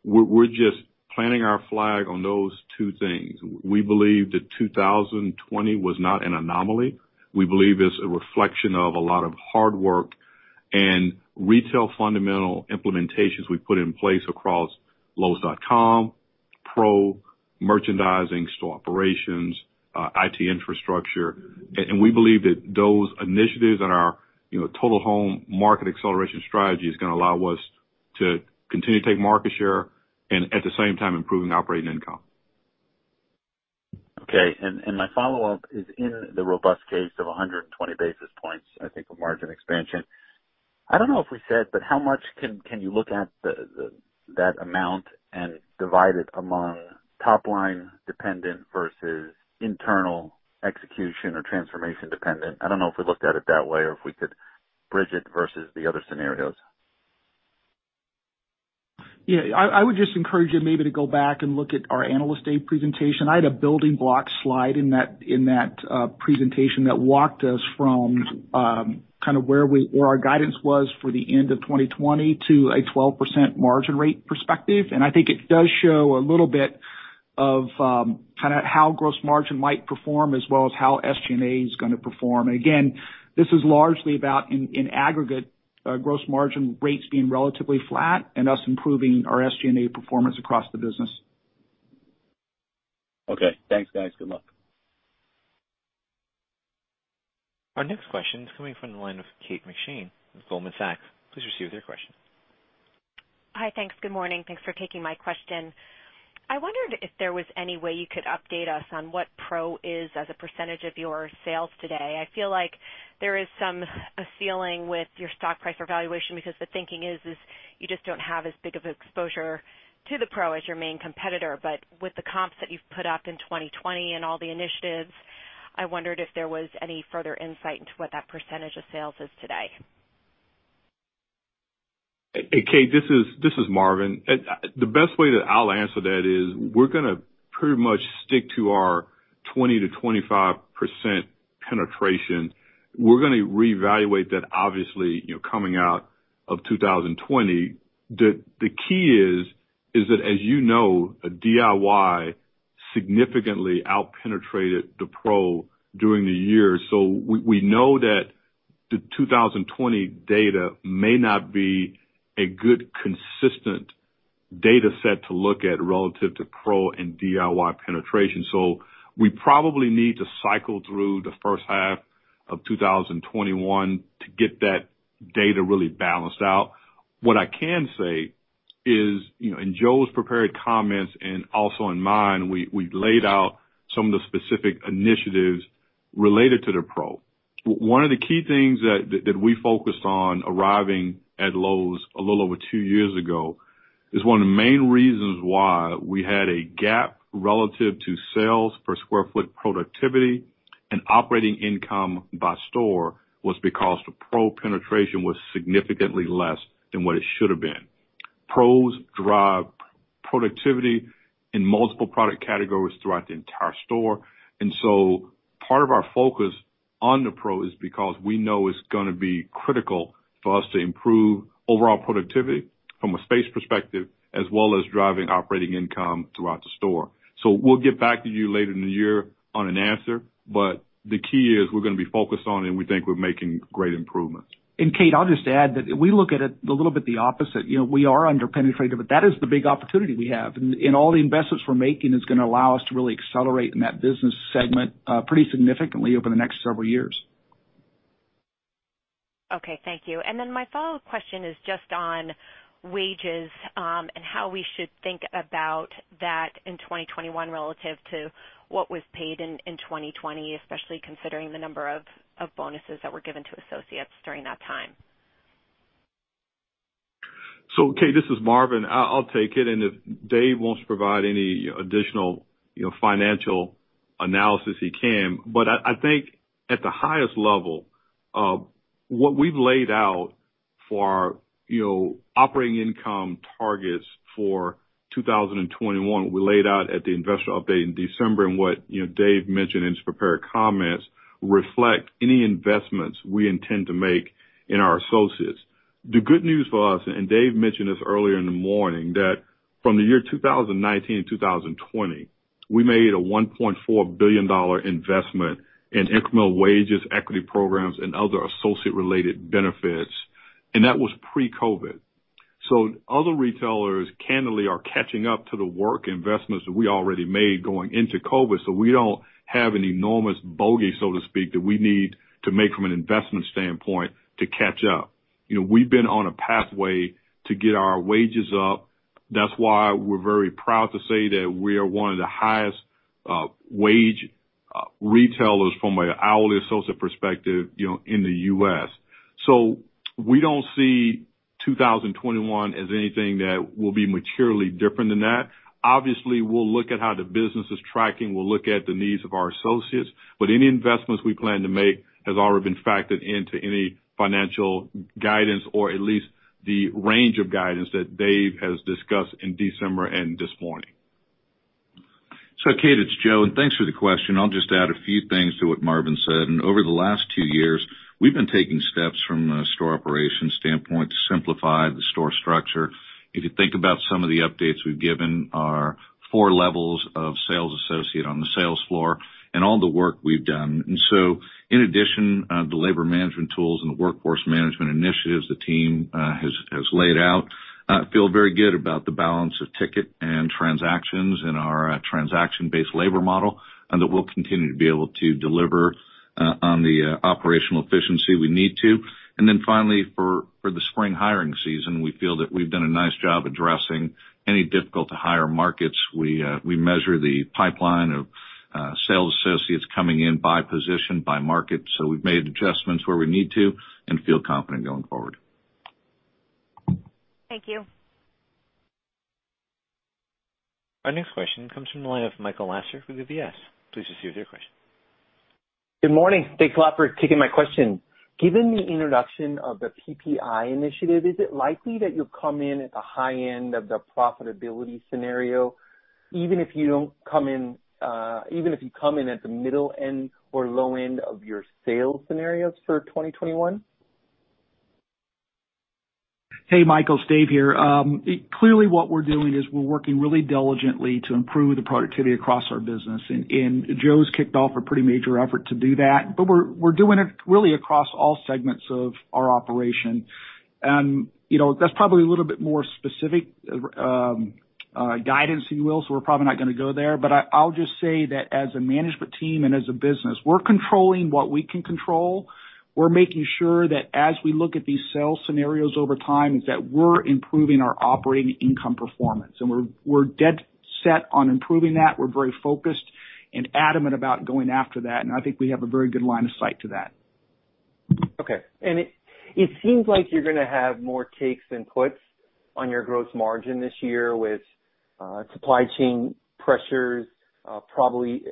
we're just planting our flag on those two things. We believe that 2020 was not an anomaly. We believe it's a reflection of a lot of hard work and retail fundamental implementations we've put in place across Lowes.com, Pro, merchandising, store operations, IT infrastructure. We believe that those initiatives and our Total Home market acceleration strategy is gonna allow us to continue to take market share and at the same time improving operating income. Okay. My follow-up is in the robust case of 120 basis points, I think, of margin expansion. I don't know if we said, how much can you look at that amount and divide it among top line dependent versus internal execution or transformation dependent? I don't know if we looked at it that way or if we could bridge it versus the other scenarios. Yeah. I would just encourage you maybe to go back and look at our Analyst Day presentation. I had a building block slide in that presentation that walked us from where our guidance was for the end of 2020 to a 12% margin rate perspective. I think it does show a little bit of how gross margin might perform as well as how SG&A is gonna perform. Again, this is largely about, in aggregate, gross margin rates being relatively flat and us improving our SG&A performance across the business. Okay. Thanks, guys. Good luck. Our next question is coming from the line of Kate McShane with Goldman Sachs. Please proceed with your question. Hi. Thanks. Good morning. Thanks for taking my question. I wondered if there was any way you could update us on what Pro is as a percentage of your sales today. I feel like there is some feeling with your stock price or valuation because the thinking is you just don't have as big of exposure to the Pro as your main competitor. With the comps that you've put up in 2020 and all the initiatives, I wondered if there was any further insight into what that percentage of sales is today. Hey, Kate, this is Marvin. The best way that I'll answer that is we're gonna pretty much stick to our 20%-25% penetration. We're going to reevaluate that, obviously, coming out of 2020. The key is that as you know, DIY significantly outpenetrated the Pro during the year. We know that the 2020 data may not be a good, consistent data set to look at relative to Pro and DIY penetration. We probably need to cycle through the first half of 2021 to get that data really balanced out. What I can say is, in Joe's prepared comments and also in mine, we laid out some of the specific initiatives related to the Pro. One of the key things that we focused on arriving at Lowe's a little over two years ago is one of the main reasons why we had a gap relative to sales per square foot productivity and operating income by store was because the Pro penetration was significantly less than what it should have been. Pros drive productivity in multiple product categories throughout the entire store. Part of our focus on the Pro is because we know it's gonna be critical for us to improve overall productivity from a space perspective as well as driving operating income throughout the store. We'll get back to you later in the year on an answer, but the key is we're gonna be focused on and we think we're making great improvements. Kate, I'll just add that we look at it a little bit the opposite. We are under-penetrated, but that is the big opportunity we have. All the investments we're making is gonna allow us to really accelerate in that business segment pretty significantly over the next several years. Okay, thank you. My follow-up question is just on wages, and how we should think about that in 2021 relative to what was paid in 2020, especially considering the number of bonuses that were given to associates during that time. Kate, this is Marvin. I'll take it, and if Dave wants to provide any additional financial analysis, he can. I think at the highest level, what we've laid out for our operating income targets for 2021, we laid out at the investor update in December, and what Dave mentioned in his prepared comments reflect any investments we intend to make in our associates. The good news for us, and Dave mentioned this earlier in the morning, that from the year 2019 to 2020, we made a $1.4 billion investment in incremental wages, equity programs, and other associate related benefits, and that was pre-COVID. Other retailers candidly are catching up to the work investments that we already made going into COVID. We don't have an enormous bogey, so to speak, that we need to make from an investment standpoint to catch up. We've been on a pathway to get our wages up. That's why we're very proud to say that we are one of the highest wage retailers from an hourly associate perspective in the U.S. We don't see 2021 as anything that will be materially different than that. Obviously, we'll look at how the business is tracking. We'll look at the needs of our associates. Any investments we plan to make has already been factored into any financial guidance, or at least the range of guidance that Dave has discussed in December and this morning. Kate, it's Joe, and thanks for the question. I'll just add a few things to what Marvin said. Over the last two years, we've been taking steps from a store operation standpoint to simplify the store structure. If you think about some of the updates we've given, our four levels of sales associate on the sales floor and all the work we've done. In addition, the labor management tools and the workforce management initiatives the team has laid out, feel very good about the balance of ticket and transactions in our transaction-based labor model, and that we'll continue to be able to deliver on the operational efficiency we need to. Finally, for the spring hiring season, we feel that we've done a nice job addressing any difficult to hire markets. We measure the pipeline of sales associates coming in by position, by market. We've made adjustments where we need to and feel confident going forward. Thank you. Our next question comes from the line of Michael Lasser with UBS. Please proceed with your question. Good morning. Thanks a lot for taking my question. Given the introduction of the PPI initiative, is it likely that you'll come in at the high end of the profitability scenario, even if you come in at the middle end or low end of your sales scenarios for 2021? Hey, Michael, Dave here. Clearly what we're doing is we're working really diligently to improve the productivity across our business, and Joe's kicked off a pretty major effort to do that. We're doing it really across all segments of our operation. That's probably a little bit more specific guidance than you will, so we're probably not gonna go there. I'll just say that as a management team and as a business, we're controlling what we can control. We're making sure that as we look at these sales scenarios over time, is that we're improving our operating income performance. We're dead set on improving that. We're very focused and adamant about going after that, and I think we have a very good line of sight to that. Okay. It seems like you're gonna have more takes than puts on your gross margin this year with supply chain pressures, probably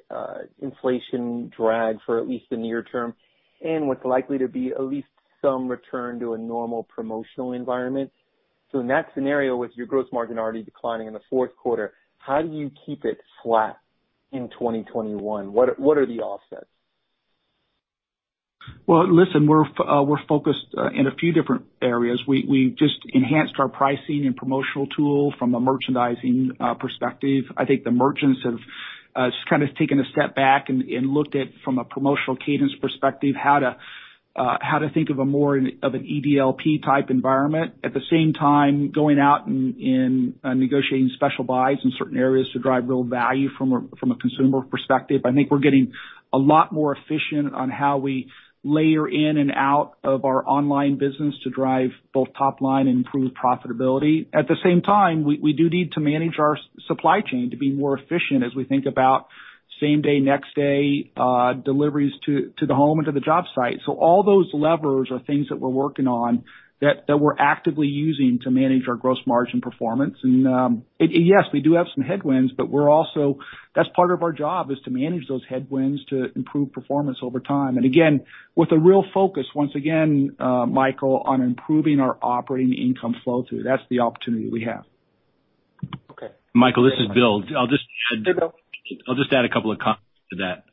inflation drag for at least the near term, and what's likely to be at least some return to a normal promotional environment. In that scenario, with your gross margin already declining in the fourth quarter, how do you keep it flat in 2021? What are the offsets? Well, listen, we're focused in a few different areas. We just enhanced our pricing and promotional tool from a merchandising perspective. I think the merchants have just kind of taken a step back and looked at, from a promotional cadence perspective, how to think of a more of an EDLP type environment. At the same time, going out and negotiating special buys in certain areas to drive real value from a consumer perspective. I think we're getting a lot more efficient on how we layer in and out of our online business to drive both top line and improve profitability. At the same time, we do need to manage our supply chain to be more efficient as we think about same day, next day deliveries to the home and to the job site. All those levers are things that we're working on that we're actively using to manage our gross margin performance. Yes, we do have some headwinds, but that's part of our job, is to manage those headwinds to improve performance over time. Again, with a real focus once again, Michael, on improving our operating income flow through. That's the opportunity we have. Okay. Michael, this is Bill. Hey, Bill. I'll just add a couple of comments to that.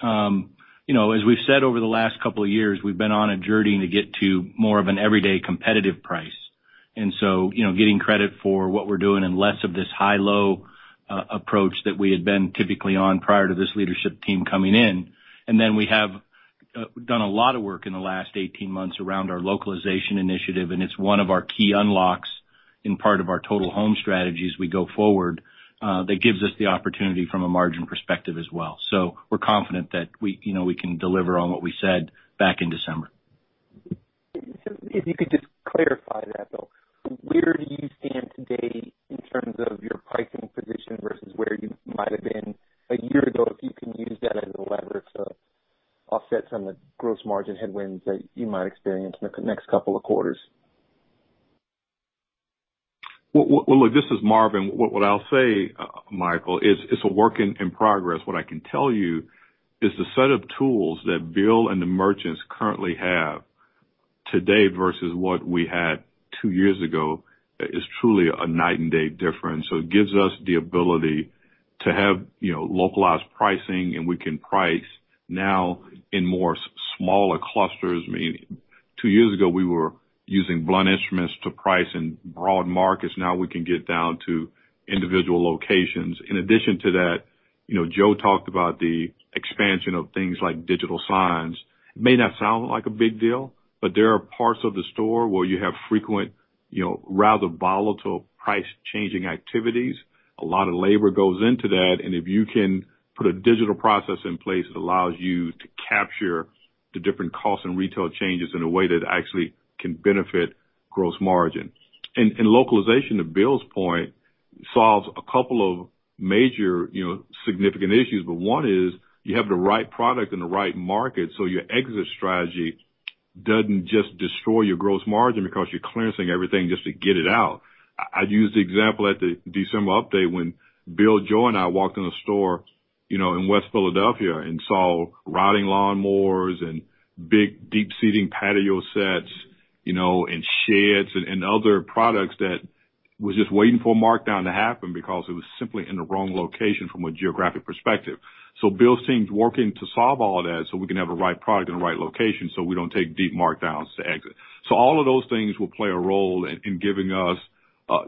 As we've said over the last couple of years, we've been on a journey to get to more of an everyday competitive price. Getting credit for what we're doing and less of this high-low approach that we had been typically on prior to this leadership team coming in. Then we have done a lot of work in the last 18 months around our localization initiative, and it's one of our key unlocks In part of our Total Home strategy as we go forward, that gives us the opportunity from a margin perspective as well. We're confident that we can deliver on what we said back in December. If you could just clarify that, though. Where do you stand today in terms of your pricing position versus where you might have been a year ago, if you can use that as a leverage to offset some of the gross margin headwinds that you might experience in the next couple of quarters? Look, this is Marvin. What I'll say, Michael, is it's a work in progress. What I can tell you is the set of tools that Bill and the merchants currently have today versus what we had two years ago is truly a night and day difference. It gives us the ability to have localized pricing, and we can price now in more smaller clusters. Two years ago, we were using blunt instruments to price in broad markets. Now we can get down to individual locations. In addition to that, Joe talked about the expansion of things like digital signs. It may not sound like a big deal, but there are parts of the store where you have frequent, rather volatile price changing activities. A lot of labor goes into that, if you can put a digital process in place, it allows you to capture the different cost and retail changes in a way that actually can benefit gross margin. Localization, to Bill's point, solves a couple of major significant issues. One is you have the right product and the right market, so your exit strategy doesn't just destroy your gross margin because you're clearing everything just to get it out. I used the example at the December update when Bill, Joe, and I walked in the store in West Philadelphia and saw rotting lawnmowers and big deep seating patio sets, and sheds and other products that was just waiting for a markdown to happen because it was simply in the wrong location from a geographic perspective. Bill's team is working to solve all of that so we can have the right product in the right location, so we don't take deep markdowns to exit. All of those things will play a role in giving us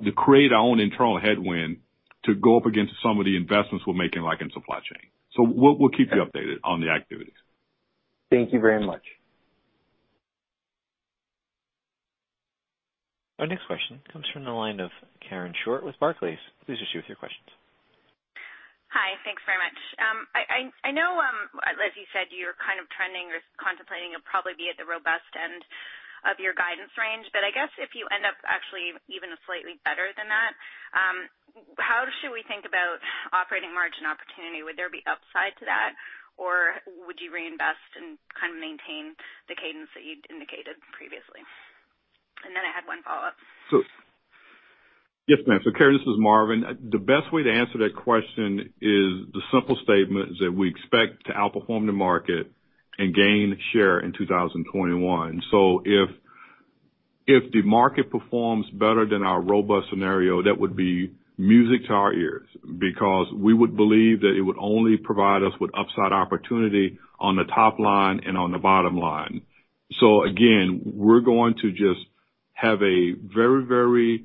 the create our own internal headwind to go up against some of the investments we're making, like in supply chain. We'll keep you updated on the activities. Thank you very much. Our next question comes from the line of Karen Short with Barclays. Please proceed with your questions. Hi, thanks very much. I know, as you said, you're kind of trending or contemplating probably be at the robust end of your guidance range, but I guess if you end up actually even slightly better than that, how should we think about operating margin opportunity? Would there be upside to that? Would you reinvest and kind of maintain the cadence that you'd indicated previously? Then I had one follow-up. Yes, ma'am. Karen, this is Marvin. The best way to answer that question is the simple statement that we expect to outperform the market and gain share in 2021. If the market performs better than our robust scenario, that would be music to our ears because we would believe that it would only provide us with upside opportunity on the top line and on the bottom line. Again, we're going to just have a very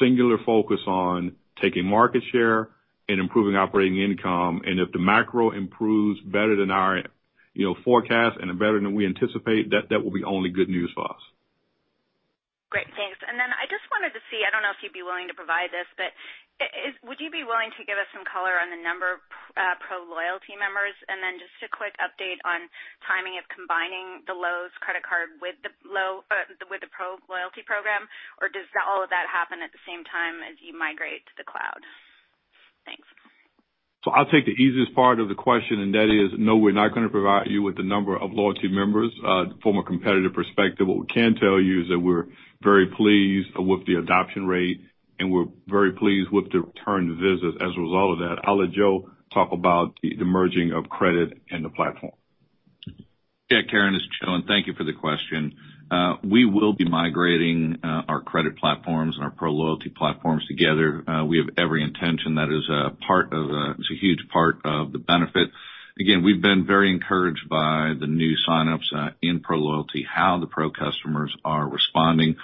singular focus on taking market share and improving operating income. If the macro improves better than our forecast and better than we anticipate, that will be only good news for us. Great. Thanks. I just wanted to see, I don't know if you'd be willing to provide this, but would you be willing to give us some color on the number of Pro loyalty members? Just a quick update on timing of combining the Lowe's credit card with the Pro loyalty program? Does all of that happen at the same time as you migrate to the cloud? Thanks. I'll take the easiest part of the question, and that is, no, we're not going to provide you with the number of loyalty members from a competitive perspective. What we can tell you is that we're very pleased with the adoption rate, and we're very pleased with the return visits as a result of that. I'll let Joe talk about the merging of credit and the platform. Karen, this is Joe, and thank you for the question. We will be migrating our credit platforms and our Pro loyalty platforms together. We have every intention. That is a huge part of the benefit. Again, we've been very encouraged by the new sign-ups in Pro loyalty, how the Pro customers are responding.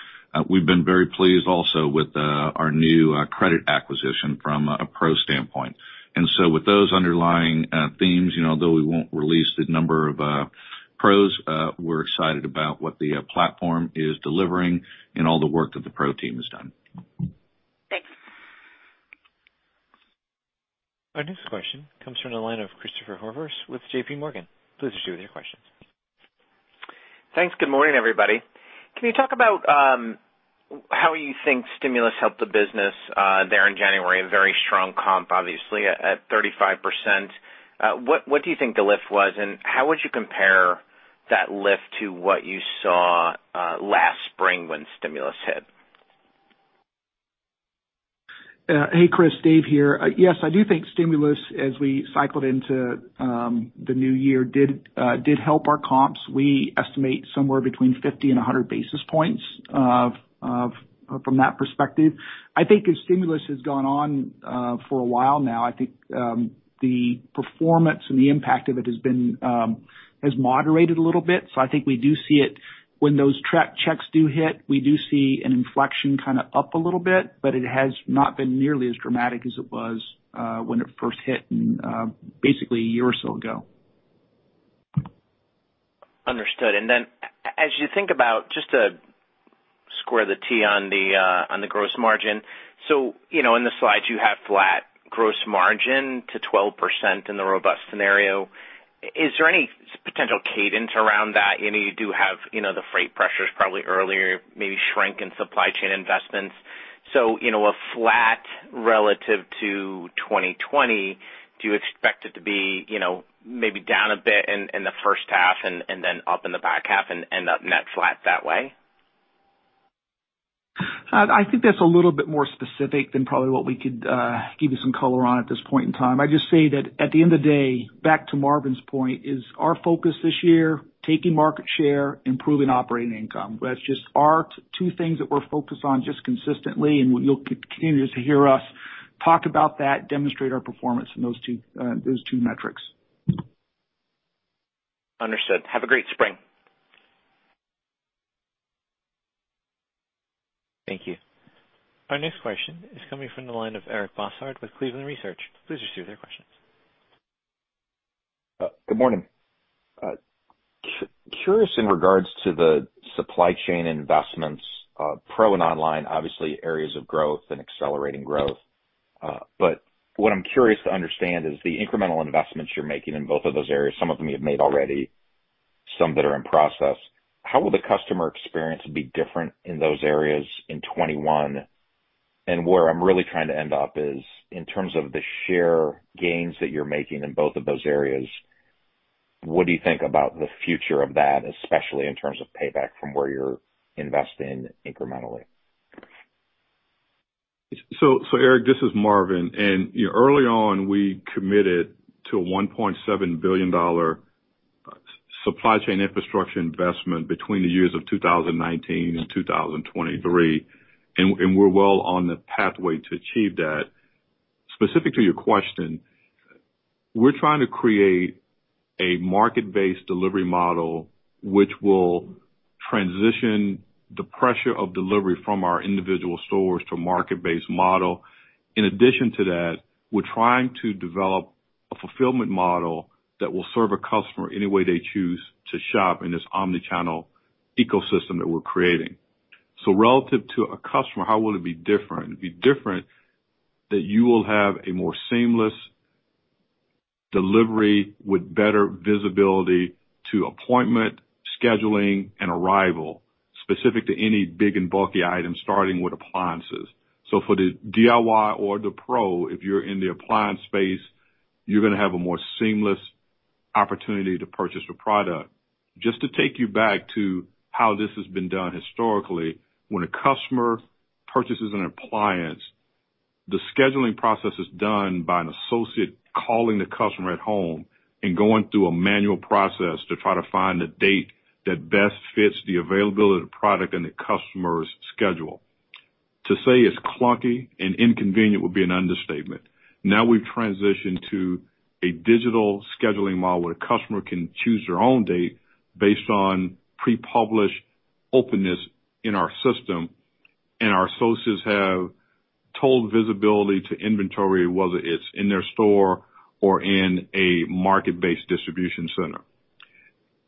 We've been very pleased also with our new credit acquisition from a Pro standpoint. With those underlying themes, although we won't release the number of Pros, we're excited about what the platform is delivering and all the work that the Pro team has done. Thanks. Our next question comes from the line of Christopher Horvers with JPMorgan. Please proceed with your questions. Thanks. Good morning, everybody. Can you talk about how you think stimulus helped the business there in January? A very strong comp, obviously, at 35%. What do you think the lift was? And how would you compare that lift to what you saw last spring when stimulus hit? Hey, Chris. Dave here. Yes, I do think stimulus, as we cycled into the new year, did help our comps. We estimate somewhere between 50 and 100 basis points from that perspective. I think as stimulus has gone on for a while now, I think the performance and the impact of it has moderated a little bit. I think we do see it when those checks do hit. We do see an inflection kind of up a little bit, but it has not been nearly as dramatic as it was when it first hit in basically a year or so ago. Understood. Then as you think about, just to square the T on the gross margin. In the slides, you have flat gross margin to 12% in the robust scenario. Is there any potential cadence around that? You do have the freight pressures probably earlier, maybe shrink in supply chain investments. A flat relative to 2020, do you expect it to be maybe down a bit in the first half and then up in the back half and end up net flat that way? I think that's a little bit more specific than probably what we could give you some color on at this point in time. I'd just say that at the end of the day, back to Marvin's point, is our focus this year, taking market share, improving operating income. That's just our two things that we're focused on just consistently, and you'll continue to hear us talk about that, demonstrate our performance in those two metrics. Understood. Have a great spring. Thank you. Our next question is coming from the line of Eric Bosshard with Cleveland Research Company. Please proceed with your questions. Good morning. Curious in regards to the supply chain investments, Pro and online, obviously areas of growth and accelerating growth. What I'm curious to understand is the incremental investments you're making in both of those areas, some of them you have made already, some that are in process. How will the customer experience be different in those areas in 2021? Where I'm really trying to end up is in terms of the share gains that you're making in both of those areas, what do you think about the future of that, especially in terms of payback from where you're investing incrementally? Eric, this is Marvin. Early on, we committed to a $1.7 billion supply chain infrastructure investment between the years of 2019 and 2023, and we're well on the pathway to achieve that. Specific to your question, we're trying to create a market-based delivery model which will transition the pressure of delivery from our individual stores to a market-based model. In addition to that, we're trying to develop a fulfillment model that will serve a customer any way they choose to shop in this omni-channel ecosystem that we're creating. Relative to a customer, how will it be different? It'd be different that you will have a more seamless delivery with better visibility to appointment, scheduling, and arrival specific to any big and bulky items, starting with appliances. For the DIY or the Pro, if you're in the appliance space, you're going to have a more seamless opportunity to purchase a product. Just to take you back to how this has been done historically, when a customer purchases an appliance, the scheduling process is done by an associate calling the customer at home and going through a manual process to try to find a date that best fits the availability of the product and the customer's schedule. To say it's clunky and inconvenient would be an understatement. Now we've transitioned to a digital scheduling model where a customer can choose their own date based on pre-published openness in our system, and our associates have total visibility to inventory, whether it's in their store or in a market-based distribution center.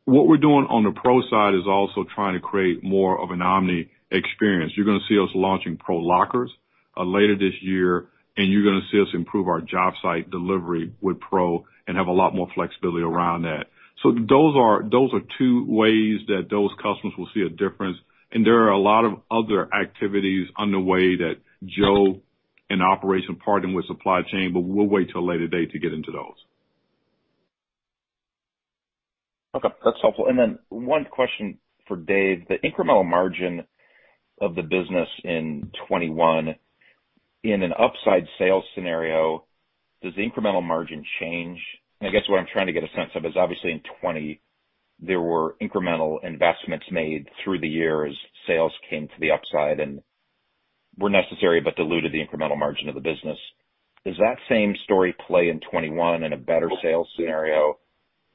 What we're doing on the Pro side is also trying to create more of an omni-experience. You're going to see us launching Pro lockers later this year, and you're going to see us improve our job site delivery with Pro and have a lot more flexibility around that. Those are two ways that those customers will see a difference, and there are a lot of other activities underway that Joe in operation, pardon, with supply chain, but we'll wait till a later date to get into those. Okay, that's helpful. One question for Dave. The incremental margin of the business in 2021, in an upside sales scenario, does the incremental margin change? I guess what I'm trying to get a sense of is obviously in 2020, there were incremental investments made through the year as sales came to the upside and were necessary but diluted the incremental margin of the business. Does that same story play in 2021 in a better sales scenario,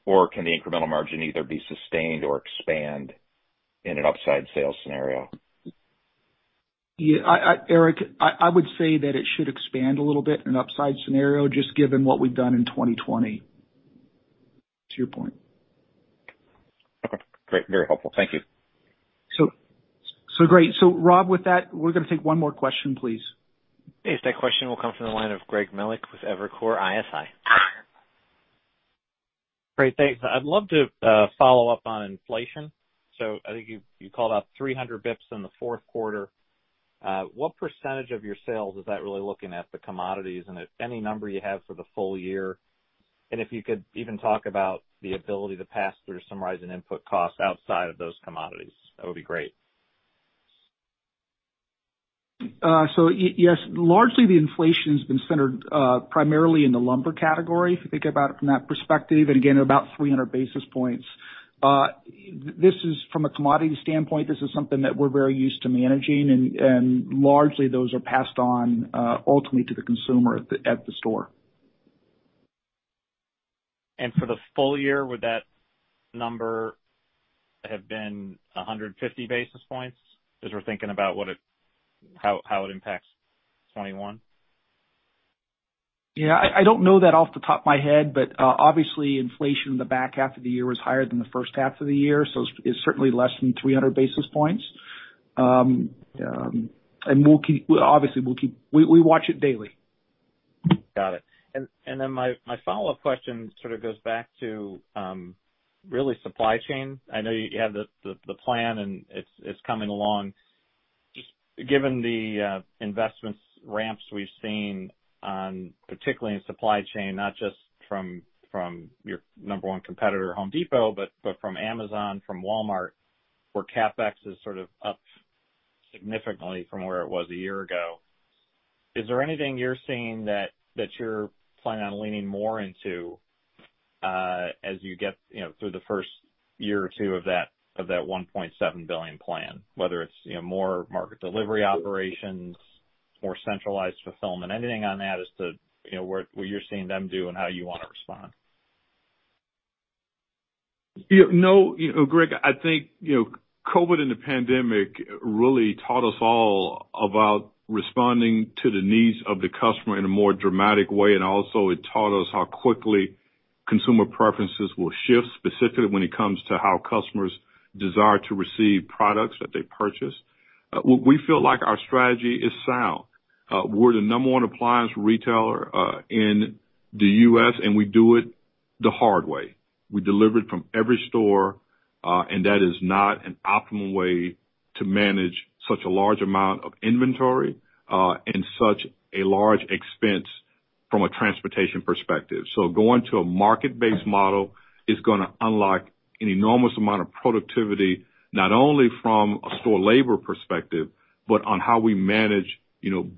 or can the incremental margin either be sustained or expand in an upside sales scenario? Yeah, Eric, I would say that it should expand a little bit in an upside scenario, just given what we've done in 2020 to your point. Okay, great. Very helpful. Thank you. Great. Rob, with that, we're going to take one more question, please. Yes, that question will come from the line of Greg Melich with Evercore ISI. Great. Thanks. I'd love to follow up on inflation. I think you called out 300 basis points in the fourth quarter. What percentage of your sales is that really looking at the commodities, and any number you have for the full year? If you could even talk about the ability to pass through some rising input costs outside of those commodities, that would be great. Yes, largely the inflation's been centered primarily in the lumber category, if you think about it from that perspective, and again, about 300 basis points. This is from a commodity standpoint, this is something that we're very used to managing, and largely, those are passed on ultimately to the consumer at the store. For the full year, would that number have been 150 basis points as we're thinking about how it impacts 2021? Yeah. I don't know that off the top of my head, obviously inflation in the back half of the year was higher than the first half of the year, it's certainly less than 300 basis points. Obviously, we watch it daily. Got it. My follow-up question sort of goes back to really supply chain. I know you have the plan and it's coming along. Given the investments ramps we've seen, particularly in supply chain, not just from your number one competitor, The Home Depot, but from Amazon, from Walmart, where CapEx is sort of up significantly from where it was a year ago. Is there anything you're seeing that you're planning on leaning more into as you get through the first year or two of that $1.7 billion plan, whether it's more market delivery operations, more centralized fulfillment? Anything on that as to what you're seeing them do and how you want to respond? No, Greg, I think COVID and the pandemic really taught us all about responding to the needs of the customer in a more dramatic way, also it taught us how quickly consumer preferences will shift, specifically when it comes to how customers desire to receive products that they purchase. We feel like our strategy is sound. We're the number one appliance retailer in the U.S., we do it the hard way. We deliver it from every store, that is not an optimal way to manage such a large amount of inventory and such a large expense from a transportation perspective. Going to a market-based model is going to unlock an enormous amount of productivity, not only from a store labor perspective, but on how we manage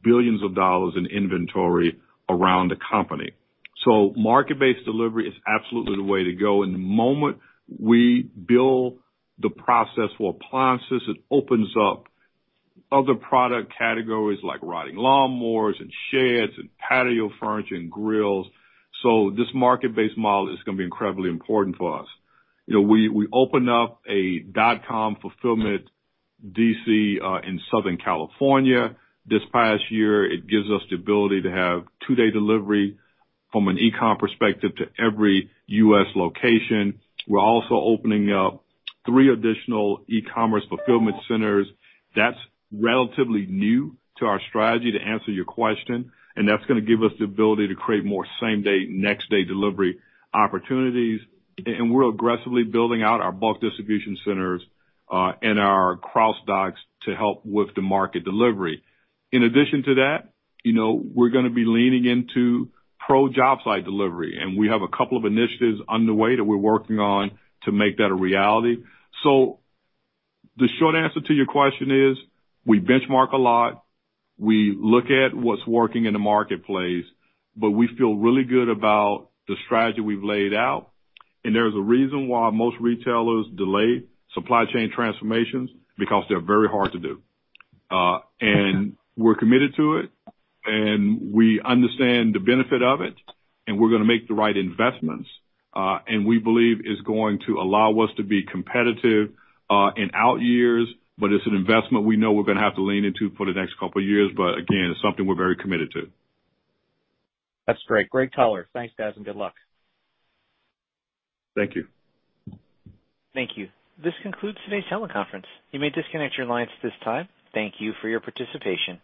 billions of dollars in inventory around the company. Market-based delivery is absolutely the way to go. The moment we build the process for appliances, it opens up other product categories like riding lawn mowers and sheds and patio furniture and grills. This market-based model is going to be incredibly important for us. We opened up a dot-com fulfillment DC in Southern California this past year. It gives us the ability to have two-day delivery from an e-comm perspective to every U.S. location. We're also opening up three additional e-commerce fulfillment centers. That's relatively new to our strategy, to answer your question, and that's going to give us the ability to create more same-day, next-day delivery opportunities. We're aggressively building out our bulk distribution centers and our cross docks to help with the market delivery. In addition to that, we're going to be leaning into Pro job site delivery, and we have a couple of initiatives underway that we're working on to make that a reality. The short answer to your question is, we benchmark a lot. We look at what's working in the marketplace, but we feel really good about the strategy we've laid out. There's a reason why most retailers delay supply chain transformations, because they're very hard to do. We're committed to it, and we understand the benefit of it, and we're going to make the right investments. We believe it's going to allow us to be competitive in out years. It's an investment we know we're going to have to lean into for the next couple of years, but again, it's something we're very committed to. That's great. Great color. Thanks, guys, and good luck. Thank you. Thank you. This concludes today's teleconference. You may disconnect your lines at this time. Thank you for your participation.